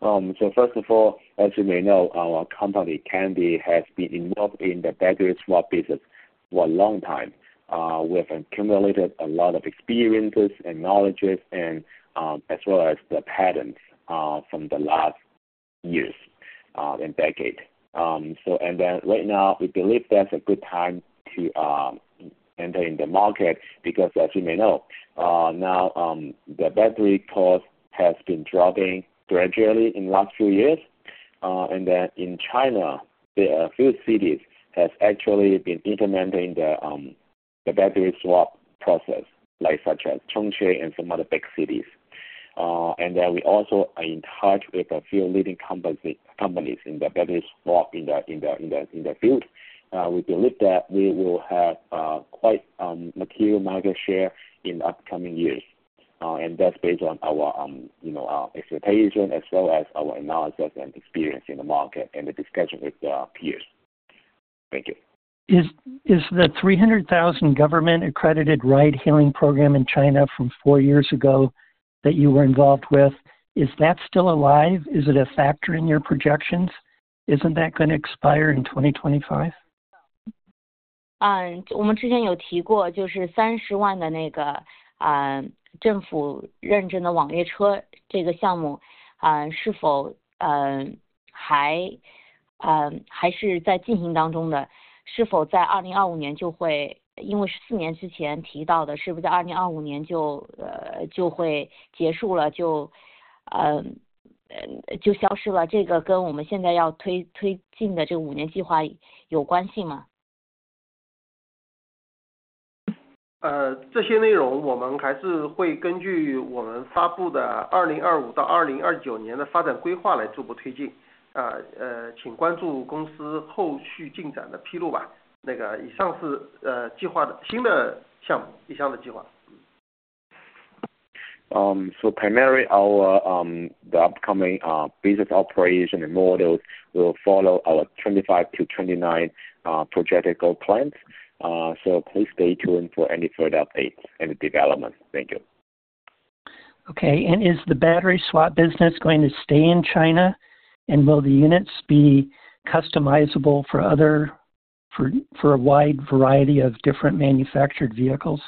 First of all, as you may know, our company Kandi has been involved in the battery swap business for a long time. We have accumulated a lot of experiences and knowledge, as well as the patterns from the last years and decade. Right now we believe that's a good time to enter in the market because as you may know now the battery cost has been dropping gradually in the last few years. In China there are a few cities that have actually been implementing the battery swap process, such as Chongqing and some other big cities. We also are in touch with a few leading companies in the battery swap in the field. We believe that we will have quite material market share in the upcoming years. And that's based on our, you know, our expectation as well as our analysis and experience in the market and the discussion with the peers. Thank you. Is the 300,000 government accredited ride-hailing program in China from four years ago that you were involved with, is that still alive? Is it a factor in your projections? Isn't that going to expire in 2025? So primarily our upcoming business operation and models will follow our 2025-2029 projected goal plans. So please stay tuned for any further updates and development. Thank you. Okay, and is the battery swap business going to stay in China and will the units be customizable for other for a wide variety of different manufactured vehicles?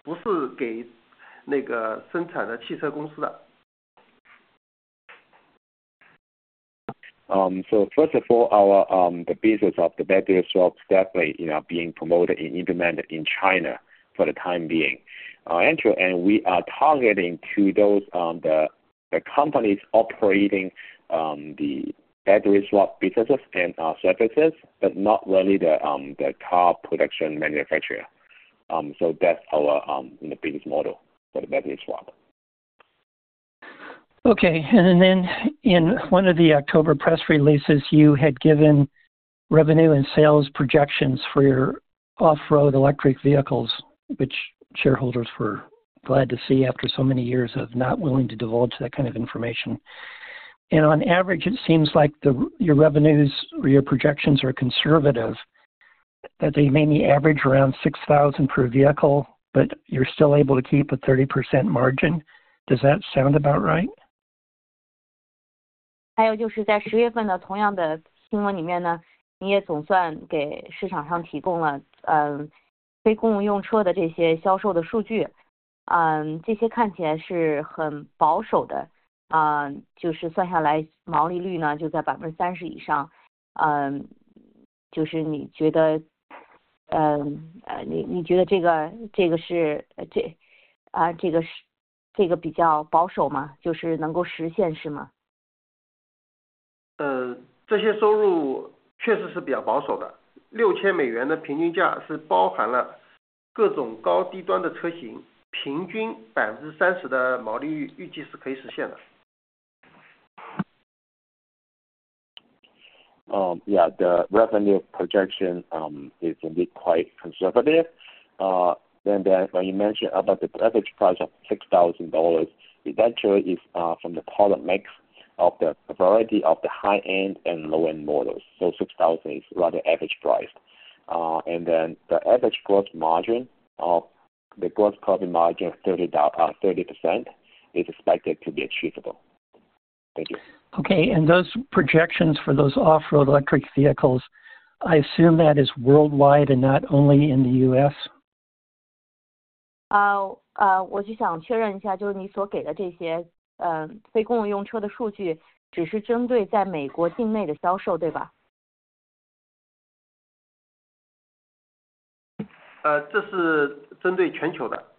因为我们是我们我们是出售给换电呃我们的设备是出售给换电的运营商的，不是给那个生产的汽车公司的。So first of all, our business of the battery swaps definitely, you know, being promoted and implemented in China for the time being. And we are targeting to those companies operating the battery swap businesses and our services, but not really the car production manufacturer. So that's our biggest model for the battery swap. Okay, and then in one of the October press releases you had given revenue and sales projections for your off-road electric vehicles, which shareholders were glad to see after so many years of not willing to divulge that kind of information. And on average it seems like your revenues or your projections are conservative, that they maybe average around 6,000 per vehicle, but you're still able to keep a 30% margin. Does that sound about right? Yeah, the revenue projection is indeed quite conservative, and then when you mention about the average price of $6,000 eventually is from the product mix of the variety of the high-end and low-end models, so 6,000 is rather average priced, and then the average gross margin of the gross profit margin of 30% is expected to be achievable. Thank you. Okay, and those projections for those off-road electric vehicles I assume that is worldwide and not only in the U.S.? 呃呃我就想确认一下就是你所给的这些嗯非公务用车的数据只是针对在美国境内的销售对吧？ 呃这是针对全球的。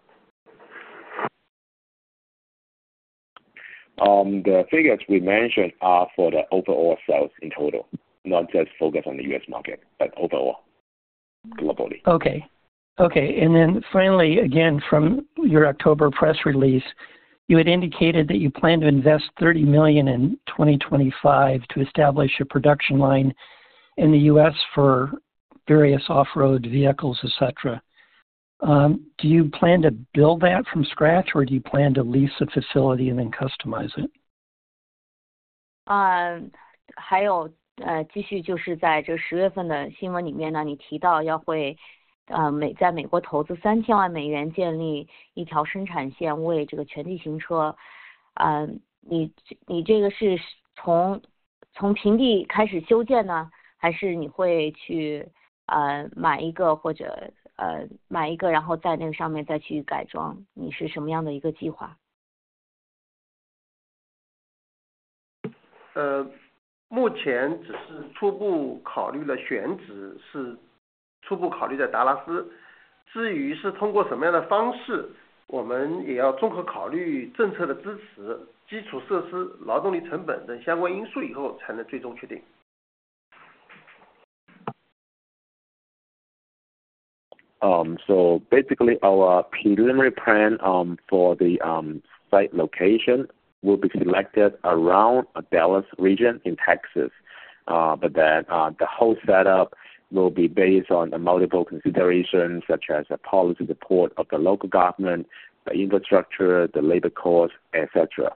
The figures we mentioned are for the overall sales in total not just focus on the U.S. market but overall globally. Okay, okay, and then finally, again from your October press release, you had indicated that you plan to invest $30 million in 2025 to establish a production line in the U.S. for various off-road vehicles, et cetera. Do you plan to build that from scratch or do you plan to lease a facility and then customize it? 呃还有呃继续就是在这10月份的新闻里面呢你提到要会呃美在美国投资3,000万美元建立一条生产线为这个全地形车呃你你这个是从从平地开始修建呢还是你会去呃买一个或者呃买一个然后在那个上面再去改装你是什么样的一个计划？ So basically our preliminary plan for the site location will be selected around a Dallas region in Texas, but then the whole setup will be based on the multiple considerations such as a policy report of the local government, the infrastructure, the labor cost, et cetera.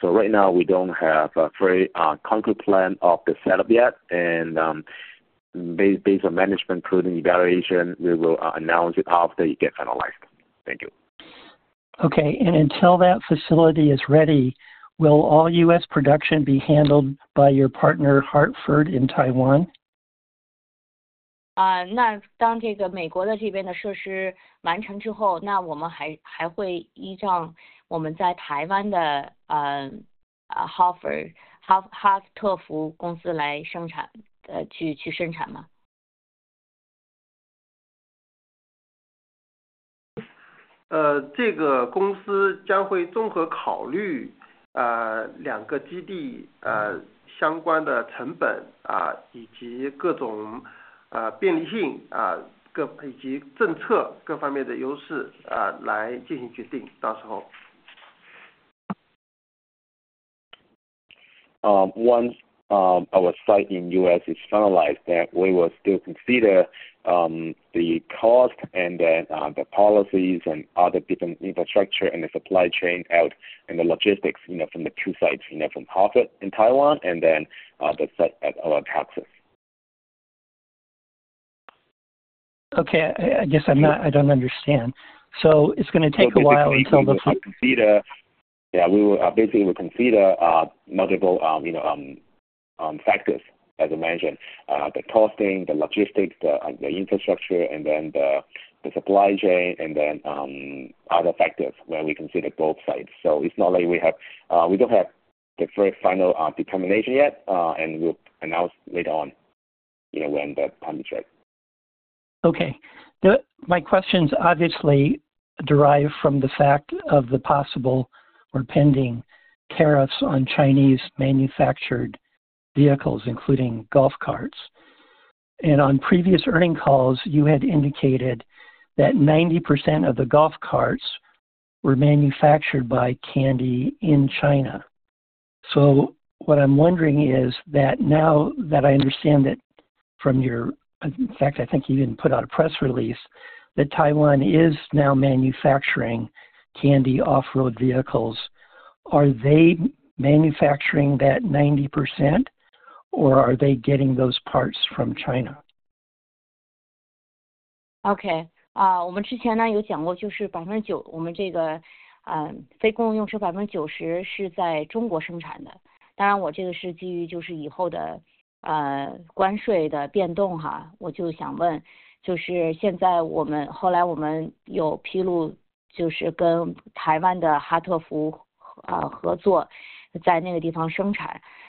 So right now we don't have a very concrete plan of the setup yet, and based on management including evaluation, we will announce it after it gets finalized. Thank you. Okay, and until that facility is ready, will all U.S. production be handled by your partner Hartford in Taiwan? Taiwan to produce? 呃这个公司将会综合考虑呃两个基地呃相关的成本啊以及各种呃便利性啊各以及政策各方面的优势啊来进行决定到时候。Once our site in the U.S. is finalized, then we will still consider the cost and then the policies and other different infrastructure and the supply chain out and the logistics, you know, from the two sites, you know, from Hartford in Taiwan and then the site at our Texas. Okay, I guess I don't understand, so it's going to take a while until the. Yeah, we will basically consider multiple, you know, factors, as I mentioned: the costing, the logistics, the infrastructure, and then the supply chain, and then other factors when we consider both sides. So it's not like we don't have the very final determination yet, and we'll announce later on, you know, when the time is right. Okay, my questions obviously derive from the fact of the possible or pending tariffs on Chinese-manufactured vehicles, including golf carts, and on previous earnings calls you had indicated that 90% of the golf carts were manufactured by Kandi in China. So what I'm wondering is, now that I understand that from you—in fact, I think you even put out a press release that Taiwan is now manufacturing Kandi off-road vehicles—are they manufacturing that 90%, or are they getting those parts from China? Okay啊我们之前呢有讲过就是9%我们这个嗯非公务用车90%是在中国生产的当然我这个是基于就是以后的呃关税的变动哈我就想问就是现在我们后来我们有披露就是跟台湾的哈特福啊合作在那个地方生产那我想问的是哈特福啊生产百分之所有这90%的非公务用车吗还是嗯他只是生产一部分？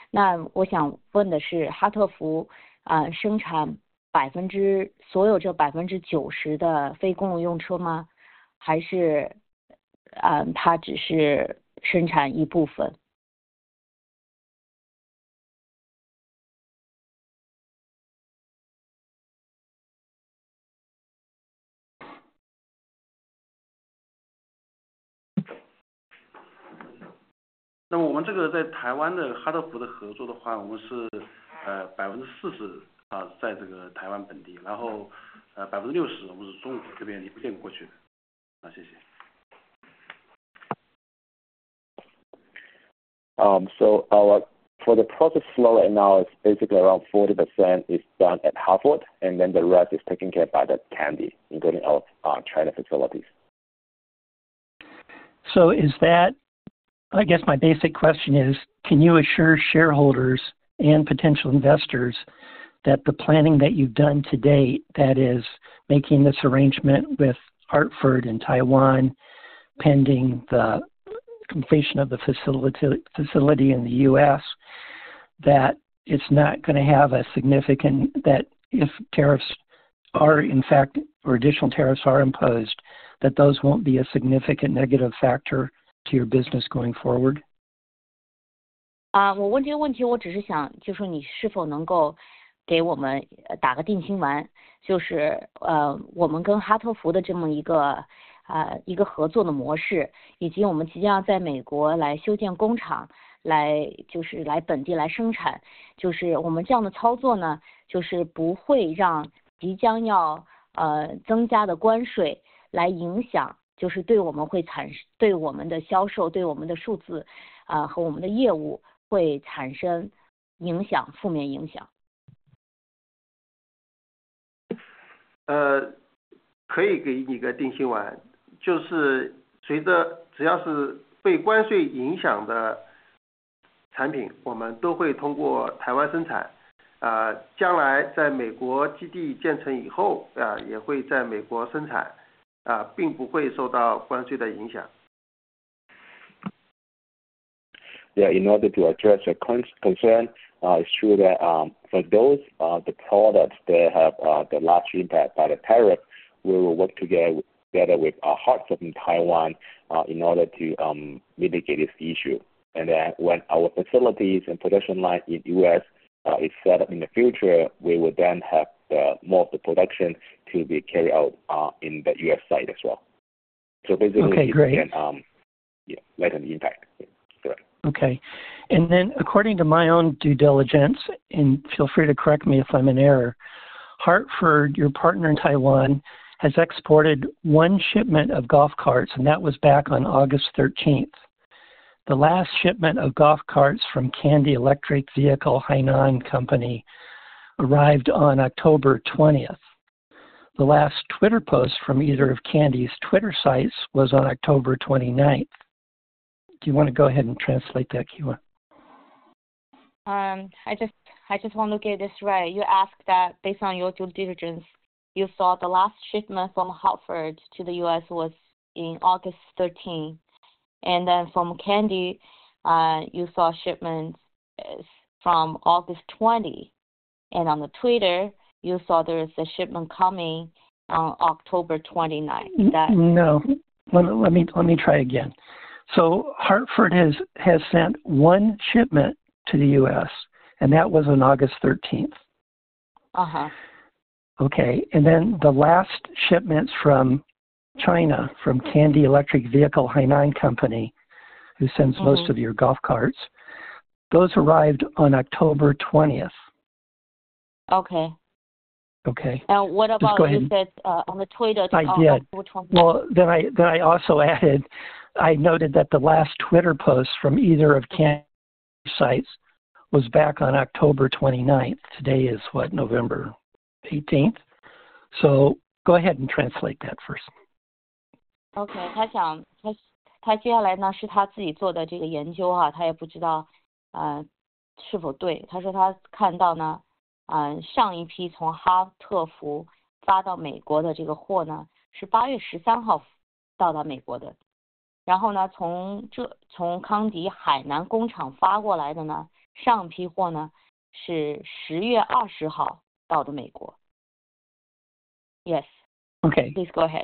So for our process flow right now, it's basically around 40% is done at Hartford and then the rest is taken care of by Kandi, including our China facilities. So, is that, I guess, my basic question: can you assure shareholders and potential investors that the planning that you've done to date, that is, making this arrangement with Hartford in Taiwan pending the completion of the facility in the U.S., that it's not going to have a significant that if tariffs are in fact or additional tariffs are imposed, that those won't be a significant negative factor to your business going forward? 啊我问这个问题我只是想就是你是否能够给我们打个定心丸就是呃我们跟哈特福的这么一个呃一个合作的模式以及我们即将要在美国来修建工厂来就是来本地来生产就是我们这样的操作呢就是不会让即将要呃增加的关税来影响就是对我们会产生对我们的销售对我们的数字啊和我们的业务会产生影响负面影响。呃可以给你个定心丸就是随着只要是被关税影响的产品我们都会通过台湾生产啊将来在美国基地建成以后啊也会在美国生产啊并不会受到关税的影响。Yeah, in order to address the concern, it's true that for those the products they have the large impact by the tariff. We will work together with Hartford in Taiwan in order to mitigate this issue, and then when our facilities and production line in U.S. is set up in the future, we will then have the more of the production to be carried out in the U.S. side as well, so basically yeah less an impact, correct. Okay, and then according to my own due diligence, and feel free to correct me if I'm in error, Hartford, your partner in Taiwan, has exported one shipment of golf carts, and that was back on August 13th. The last shipment of golf carts from Kandi Electric Vehicle Hainan Company arrived on October 20th. The last Twitter post from either of Kandi's Twitter sites was on October 29th. Do you want to go ahead and translate that, Kewa? I just want to get this right. You asked that based on your due diligence you saw the last shipment from Hartford to the U.S. was in August 13th, and then from Kandi you saw shipments from August 20, and on the Twitter you saw there is a shipment coming on October 29th that. No, let me try again, so Hartford has sent one shipment to the U.S. and that was on August 13th. Uh-huh. Okay, and then the last shipments from China from Kandi Electric Vehicles Hainan Company, who sends most of your golf carts, those arrived on October 20th. Okay. Okay. What about what you said on Twitter? I did well. Then I also added. I noted that the last Twitter post from either of Kandi's sites was back on October 29th. Today is what, November 18th, so go ahead and translate that first. October 20. Yes, okay, please go ahead.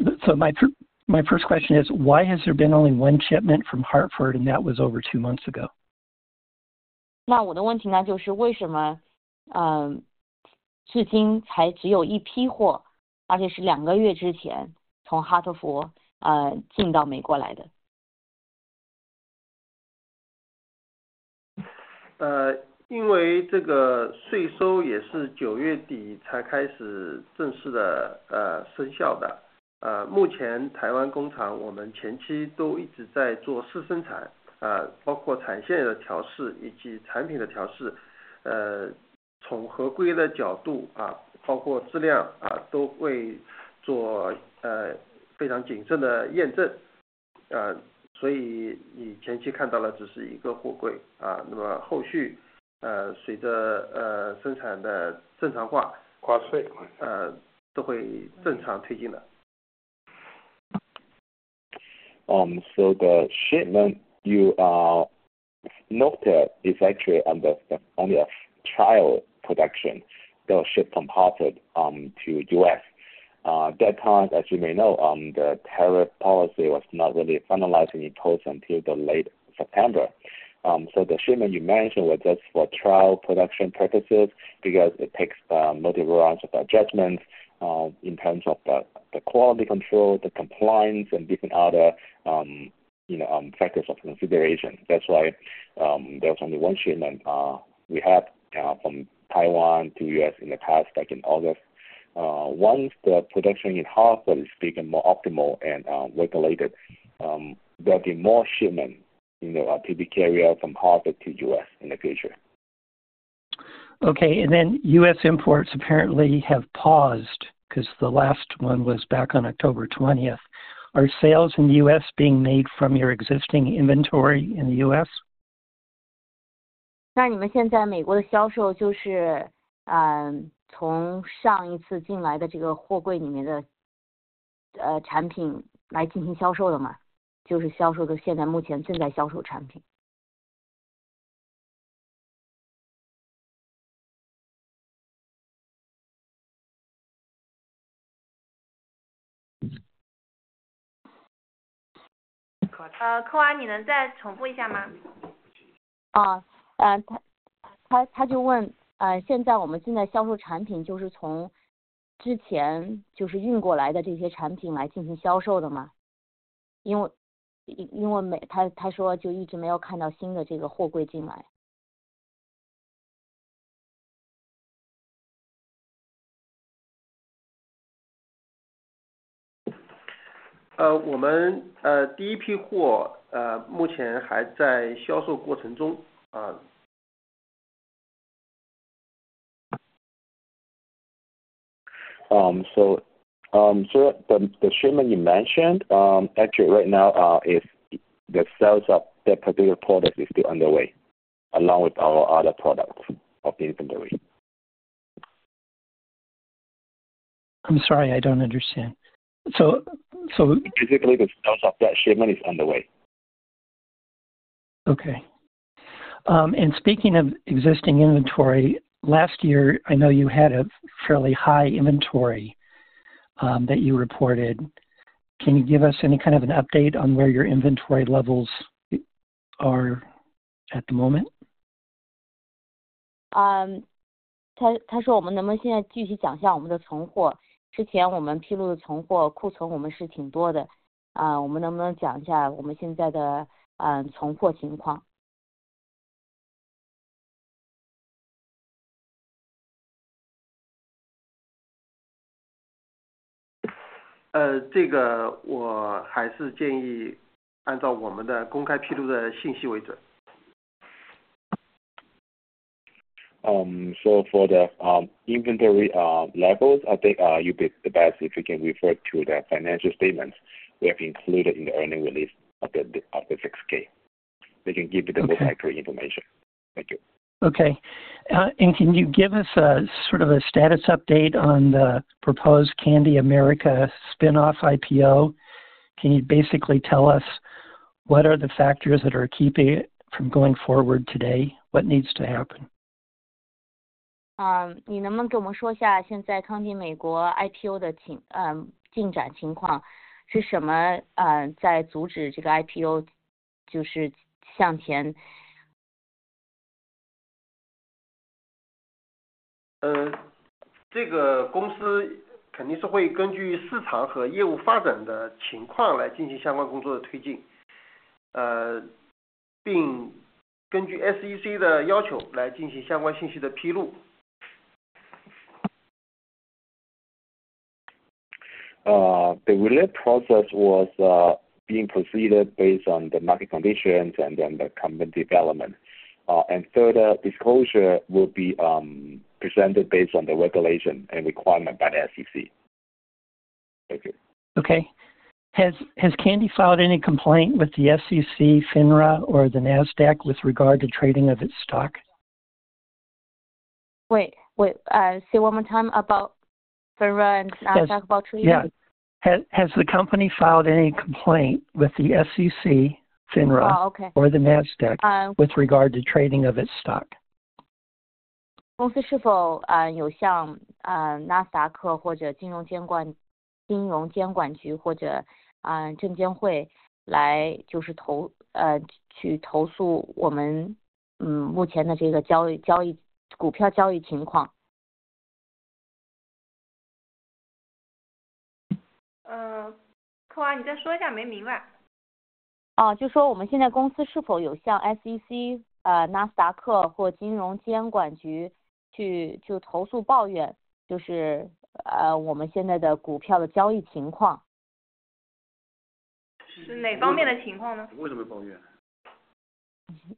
My first question is why has there been only one shipment from Hartford and that was over two months ago? 那我的问题呢就是为什么嗯至今才只有一批货而且是两个月之前从哈特福呃进到美国来的。呃因为这个税收也是9月底才开始正式的呃生效的呃目前台湾工厂我们前期都一直在做试生产呃包括产线的调试以及产品的调试呃从合规的角度啊包括质量啊都会做呃非常谨慎的验证呃所以你前期看到的只是一个货柜啊那么后续呃随着呃生产的正常化跨税呃都会正常推进的。So the shipment you noted is actually under only a trial production. They'll ship from Hartford to U.S. that time. As you may know, the tariff policy was not really finalized or posted until the late September. So the shipment you mentioned was just for trial production purposes because it takes multiple rounds of adjustments in terms of the quality control, the compliance, and different other you know factors of consideration. That's why there was only one shipment we had from Taiwan to U.S. in the past back in August. Once the production in Hartford is being more optimal and regulated, there'll be more shipment you know to be carried out from Hartford to U.S. in the future. Okay, and then U.S. imports apparently have paused because the last one was back on October 20th. Are sales in the U.S. being made from your existing inventory in the U.S.? 那你们现在美国的销售就是从上一次进来的这个货柜里面的产品来进行销售的吗？就是销售的现在目前正在销售产品。扣安，你能再重复一下吗？啊，他，他就问，现在我们正在销售产品，就是从之前运过来的这些产品来进行销售的吗？因为他说，就一直没有看到新的这个货柜进来。呃我们呃第一批货呃目前还在销售过程中啊。The shipment you mentioned actually right now is the sales of that particular product is still underway along with our other products of the inventory. I'm sorry, I don't understand. Basically the sales of that shipment is underway. Okay, and speaking of existing inventory, last year I know you had a fairly high inventory that you reported. Can you give us any kind of an update on where your inventory levels are at the moment? 嗯他他说我们能不能现在具体讲下我们的存货之前我们披露的存货库存我们是挺多的啊我们能不能讲一下我们现在的嗯存货情况。呃这个我还是建议按照我们的公开披露的信息为准。For the inventory levels, I think you'd be the best if you can refer to the financial statements we have included in the earnings release of the 6-K. They can give you the most accurate information. Thank you. Okay, and can you give us a sort of a status update on the proposed Kandi America spinoff IPO? Can you basically tell us what are the factors that are keeping it from going forward today? What needs to happen? 嗯你能不能给我们说一下现在康帝美国IPO的情嗯进展情况是什么嗯在阻止这个IPO就是向前。呃这个公司肯定是会根据市场和业务发展的情况来进行相关工作的推进呃并根据SEC的要求来进行相关信息的披露。The related process was being proceeded based on the market conditions, and then the company development and further disclosure will be presented based on the regulation and requirement by the SEC. Thank you. Okay, has Kandi filed any complaint with the SEC, FINRA, or the NASDAQ with regard to trading of its stock? Wait, wait, say one more time about FINRA and Nasdaq about trading? Yeah, has the company filed any complaint with the SEC, FINRA, or the NASDAQ with regard to trading of its stock? 啊就说我们现在公司是否有向SEC呃纳斯达克或金融监管局去就投诉抱怨就是呃我们现在的股票的交易情况。是哪方面的情况呢？ 为什么抱怨？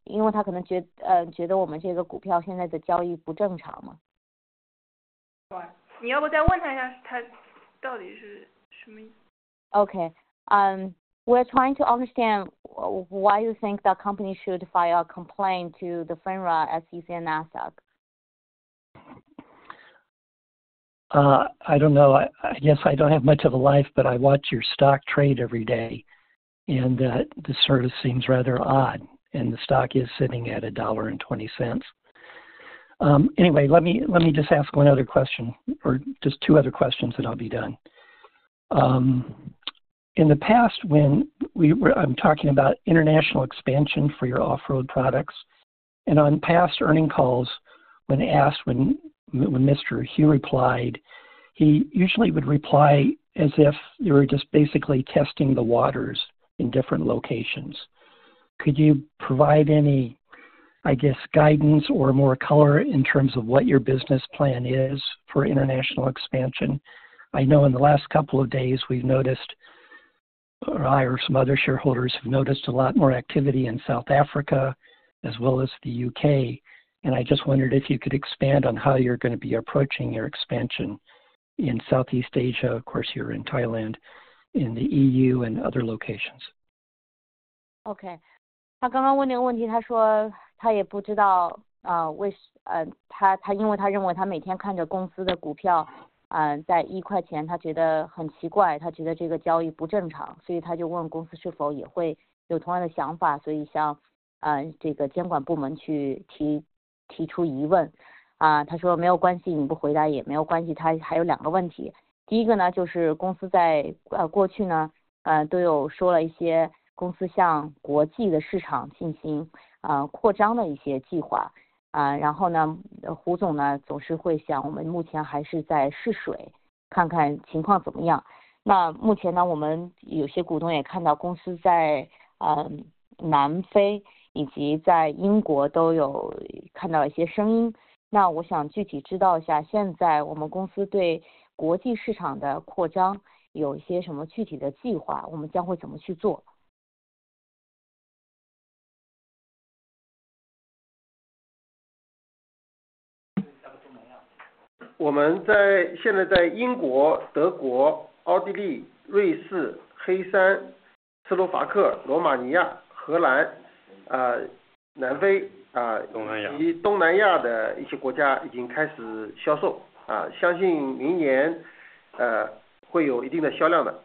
因为他可能觉呃觉得我们这个股票现在的交易不正常吗？ 你要不再问他一下他到底是什么意思？ Okay, we're trying to understand why you think the company should file a complaint to the FINRA, SEC, and NASDAQ. I don't know, I guess I don't have much of a life, but I watch your stock trade every day, and that the service seems rather odd, and the stock is sitting at $1.20 anyway. Let me just ask one other question or just two other questions, and I'll be done. In the past, when we were, I'm talking about international expansion for your off-road products, and on past earnings calls, when asked, when Mr. Hugh replied he usually would reply as if you were just basically testing the waters in different locations. Could you provide any, I guess, guidance or more color in terms of what your business plan is for international expansion? I know in the last couple of days we've noticed or I or some other shareholders have noticed a lot more activity in South Africa as well as the UK, and I just wondered if you could expand on how you're going to be approaching your expansion in Southeast Asia. Of course you're in Thailand in the EU and other locations. Okay。我们在现在在英国德国奥地利瑞士黑山斯洛伐克罗马尼亚荷兰呃南非啊以及东南亚的一些国家已经开始销售啊相信明年呃会有一定的销量的。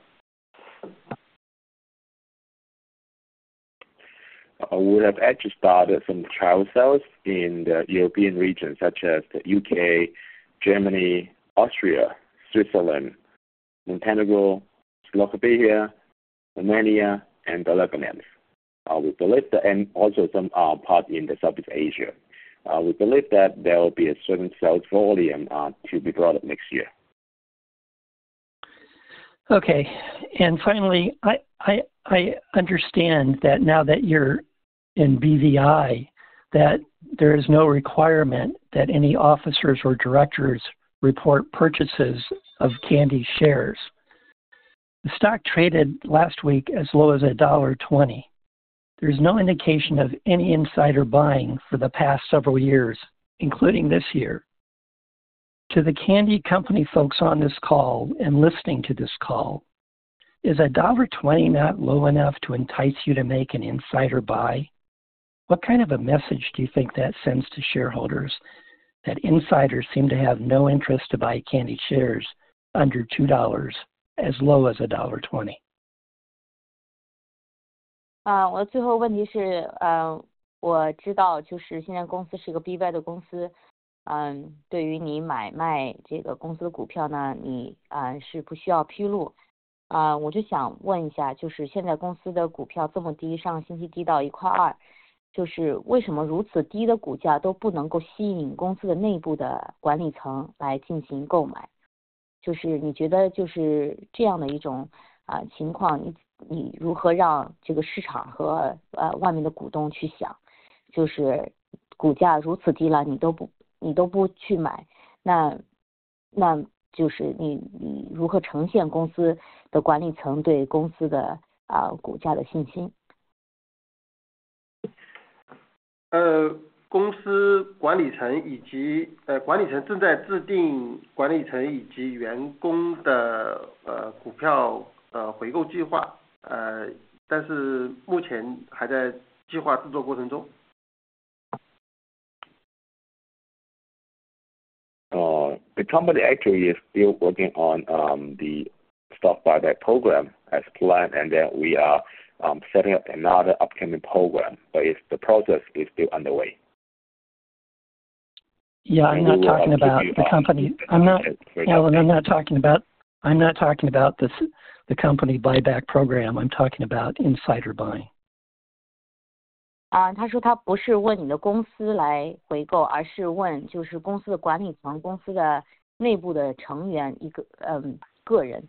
We have actually started some trial sales in the European region such as the UK, Germany, Austria, Switzerland, Montenegro, Slovakia, Romania, and the Netherlands. We believe that and also some part in the Southeast Asia. We believe that there will be a certain sales volume to be brought up next year. Okay, and finally, I understand that now that you're in BVI, that there is no requirement that any officers or directors report purchases of Kandi shares. The stock traded last week as low as $1.20. There's no indication of any insider buying for the past several years, including this year. To the Kandi company folks on this call and listening to this call, is $1.20 not low enough to entice you to make an insider buy? What kind of a message do you think that sends to shareholders, that insiders seem to have no interest to buy Kandi shares under $2, as low as 呃公司管理层以及呃管理层正在制定管理层以及员工的呃股票呃回购计划呃但是目前还在计划制作过程中。The company actually is still working on the stock buyback program as planned and then we are setting up another upcoming program but if the process is still underway. Yeah, I'm not talking about the company buyback program. I'm talking about insider buying. 啊他说他不是问你的公司来回购而是问就是公司的管理层公司的内部的成员一个嗯个人。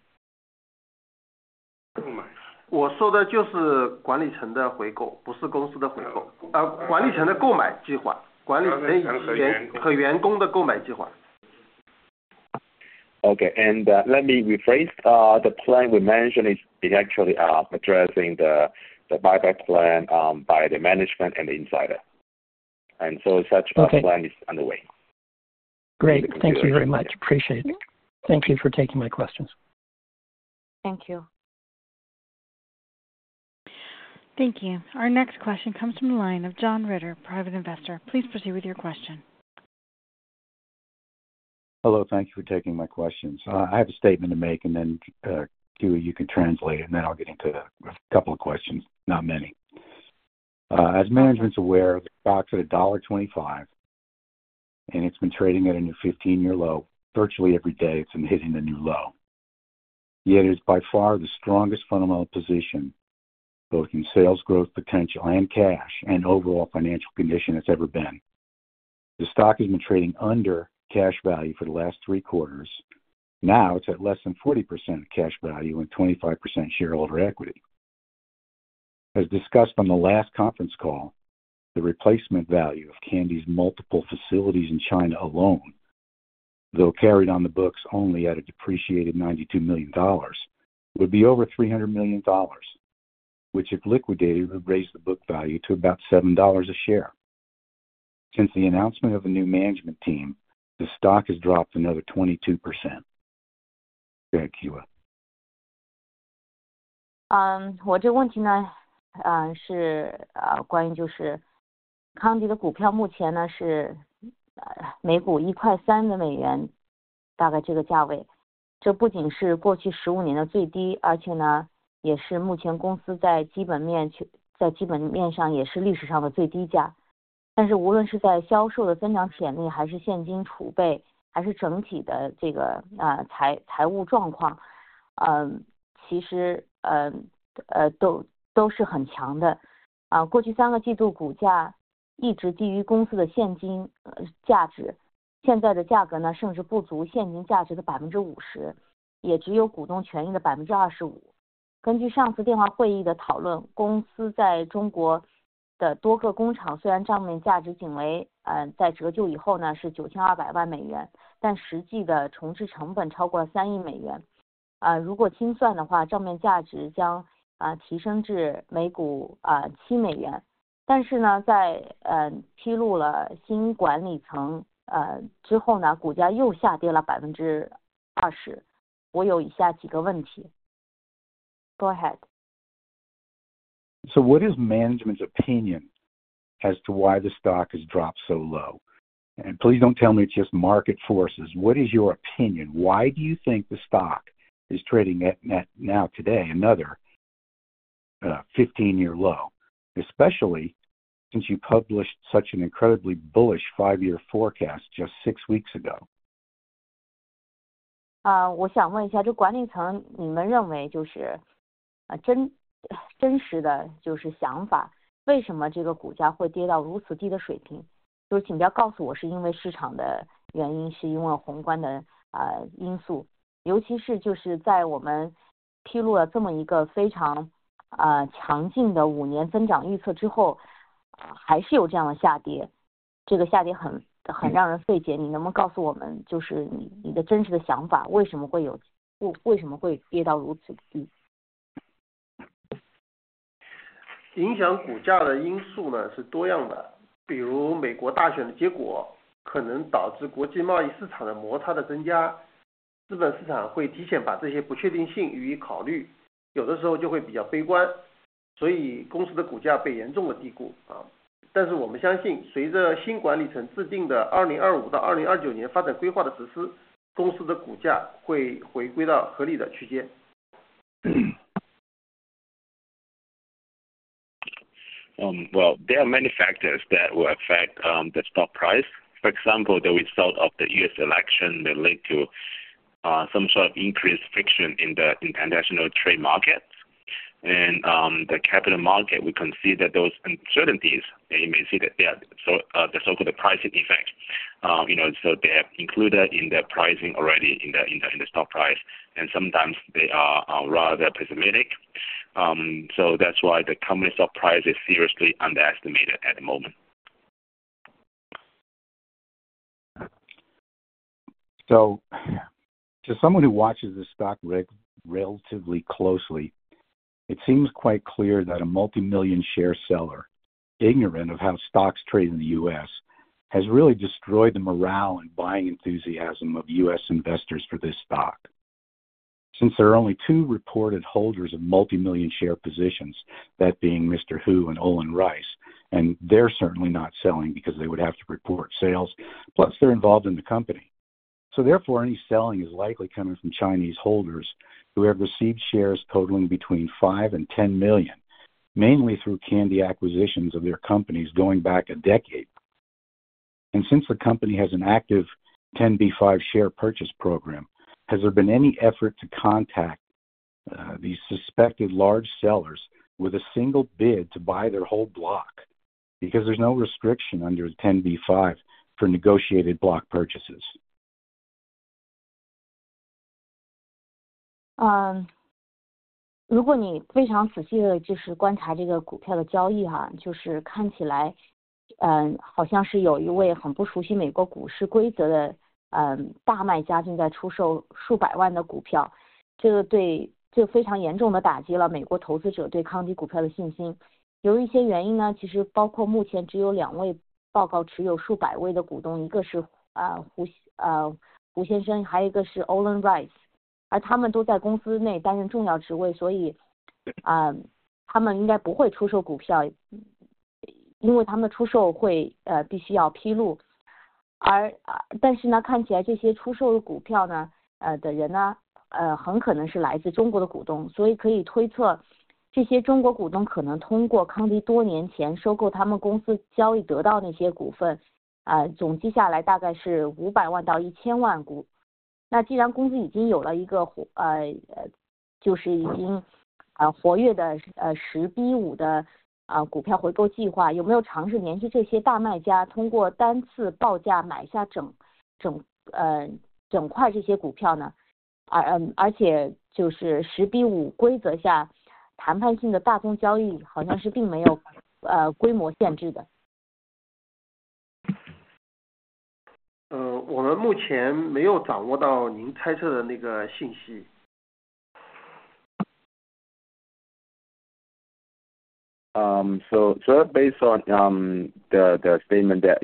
我说的就是管理层的回购不是公司的回购啊管理层的购买计划管理层和员工的购买计划。Okay, and let me rephrase. The plan we mentioned is actually addressing the buyback plan by the management and the insider, and so such a plan is underway. Great, thank you very much. Appreciate it. Thank you for taking my questions. Thank you, thank you. Our next question comes from the line of John Ritter, private investor. Please proceed with your question. Hello, thank you for taking my questions. I have a statement to make, and then you can translate it, and then I'll get into a couple of questions, not many. As management's aware, the stock's at $1.25, and it's been trading at a new 15-year low virtually every day. It's been hitting the new low, yet it is by far the strongest fundamental position both in sales growth potential and cash and overall financial condition it's ever been. The stock has been trading under cash value for the last three quarters. Now it's at less than 40% cash value and 25% shareholder equity. As discussed on the last conference call, the replacement value of Kandi's multiple facilities in China alone, though carried on the books only at a depreciated $92 million, would be over $300 million, which if liquidated would raise the book value to about $7 a share. Since the announcement of the new management team, the stock has dropped another 22%. Thank you. questions. Go ahead. So, what is management's opinion as to why the stock has dropped so low, and please don't tell me it's just market forces? What is your opinion why do you think the stock is trading at now today another 15-year low especially since you published such an incredibly bullish 5-year forecast just 6 weeks ago? There are many factors that will affect the stock price. For example, the result of the U.S. election that led to some sort of increased friction in the international trade market and the capital market. We can see that those uncertainties, and you may see that they are so the so-called pricing effect, you know. So they have included in their pricing already in the stock price, and sometimes they are rather pessimistic. So that's why the company stock price is seriously underestimated at the moment. So, to someone who watches this stock right relatively closely, it seems quite clear that a multi-million share seller ignorant of how stocks trade in the U.S. has really destroyed the morale and buying enthusiasm of U.S. investors for this stock since there are only two reported holders of multi-million share positions, that being Mr. Hugh and Olan Rice and they're certainly not selling because they would have to report sales plus they're involved in the company so therefore any selling is likely coming from Chinese holders who have received shares totaling between five and 10 million mainly through Kandi acquisitions of their companies going back a decade and since the company has an active 10b-5 share purchase program has there been any effort to contact these suspected large sellers with a single bid to buy their whole block because there's no restriction under 10b-5 for negotiated block purchases? 呃我们目前没有掌握到您猜测的那个信息。Based on the statement that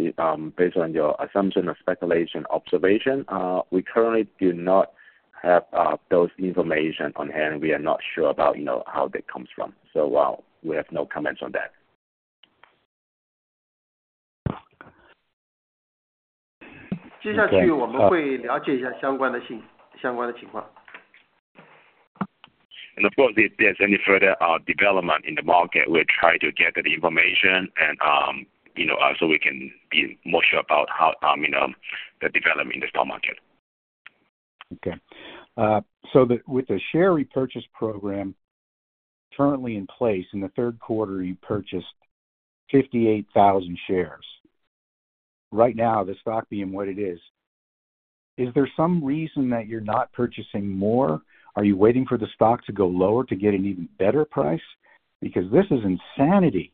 based on your assumption of speculation observation, we currently do not have those information on hand. We are not sure about you know how that comes from, so we have no comments on that. 接下去我们会了解一下相关的信息相关的情况。Of course, if there's any further development in the market, we'll try to get the information, and, you know, so we can be more sure about how, you know, the development in the stock market. Okay, so with the share repurchase program currently in place in the third quarter, you purchased 58,000 shares. Right now the stock being what it is, is there some reason that you're not purchasing more? Are you waiting for the stock to go lower to get an even better price because this is insanity?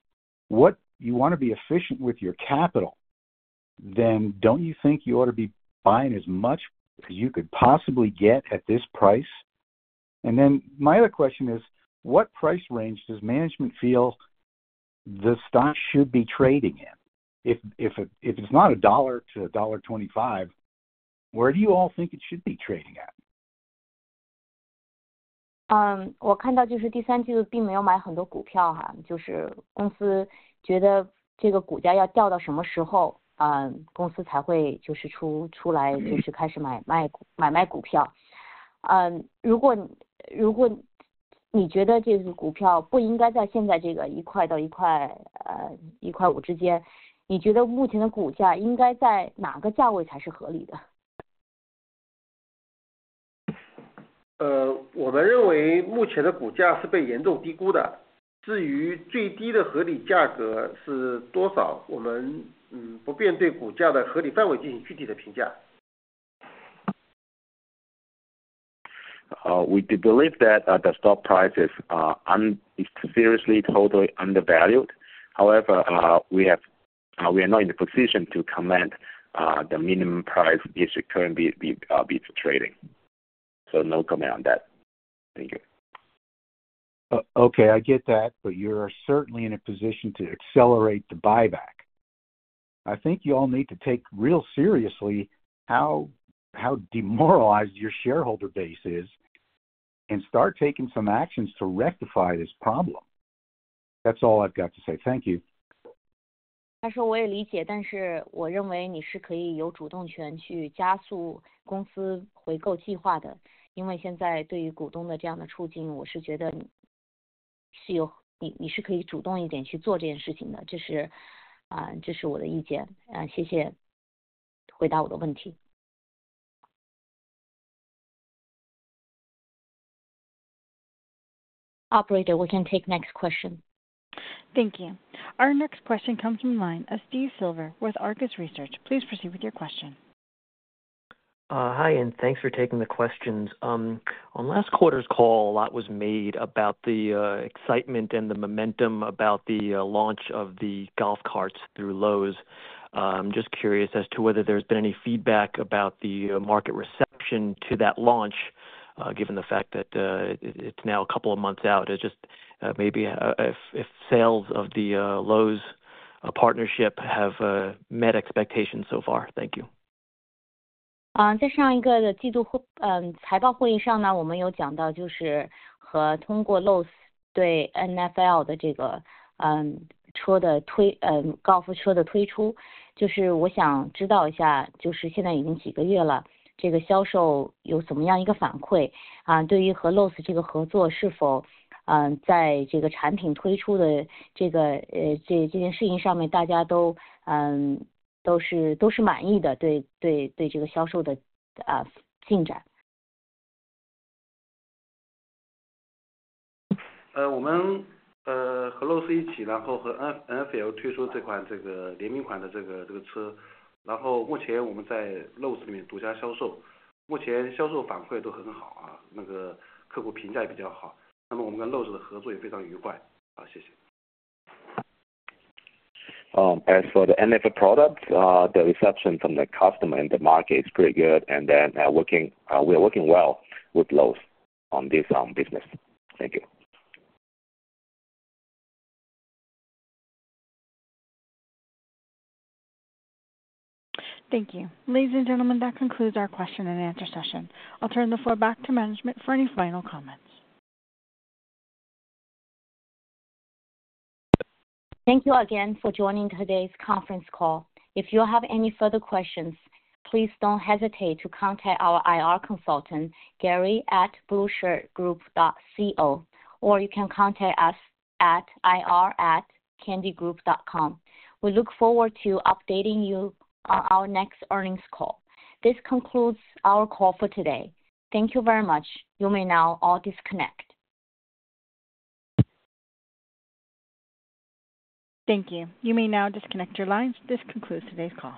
What you want to be efficient with your capital, then don't you think you ought to be buying as much as you could possibly get at this price? And then my other question is, what price range does management feel the stock should be trading in? If it's not $1-$1.25, where do you all think it should be trading at? 嗯我看到就是第三季度并没有买很多股票哈就是公司觉得这个股价要掉到什么时候嗯公司才会就是出出来就是开始买卖买卖股票嗯如果如果你觉得这个股票不应该在现在这个一块到一块呃一块五之间你觉得目前的股价应该在哪个价位才是合理的。呃我们认为目前的股价是被严重低估的至于最低的合理价格是多少我们嗯不便对股价的合理范围进行具体的评价。We do believe that the stock price is seriously totally undervalued. However, we are not in the position to comment. The minimum price is currently being traded, so no comment on that. Thank you. Okay, I get that, but you're certainly in a position to accelerate the buyback. I think you all need to take real seriously how demoralized your shareholder base is and start taking some actions to rectify this problem. That's all I've got to say. Thank you. 他说，我也理解，但是我认为你是有主动权去加速公司回购计划的，因为现在对于股东的这样的处境，我是觉得你是可以主动一点去做这件事情的，这是啊，这是我的意见啊，谢谢回答我的问题。Operator, we can take the next question. Thank you. Our next question comes from the line of Steve Silver with Argus Research. Please proceed with your question. Hi and thanks for taking the questions on last quarter's call. A lot was made about the excitement and the momentum about the launch of the golf carts through Lowe's. Just curious as to whether there's been any feedback about the market reception to that launch given the fact that it's now a couple of months out. It just maybe if sales of the Lowe's partnership have met expectations so far. Thank you. 嗯在上一个的季度会嗯财报会议上呢我们有讲到就是和通过Lowe's对NFL的这个嗯车的推嗯高富车的推出就是我想知道一下就是现在已经几个月了这个销售有怎么样一个反馈啊对于和Lowe's这个合作是否嗯在这个产品推出的这个呃这这件事情上面大家都嗯都是都是满意的对对对这个销售的啊进展。As for the NFL product, the reception from the customer and the market is pretty good, and then we are working well with Lowe's on this business. Thank you. Thank you, ladies and gentlemen. That concludes our question and answer session. I'll turn the floor back to management for any final comments. Thank you again for joining today's conference call. If you have any further questions, please don't hesitate to contact our IR consultant Gary at Blue Shirt Group dot com, or you can contact us at IR at Kandi Group dot com. We look forward to updating you on our next earnings call. This concludes our call for today. Thank you very much. You may now all disconnect. Thank you. You may now disconnect your lines. This concludes today's call.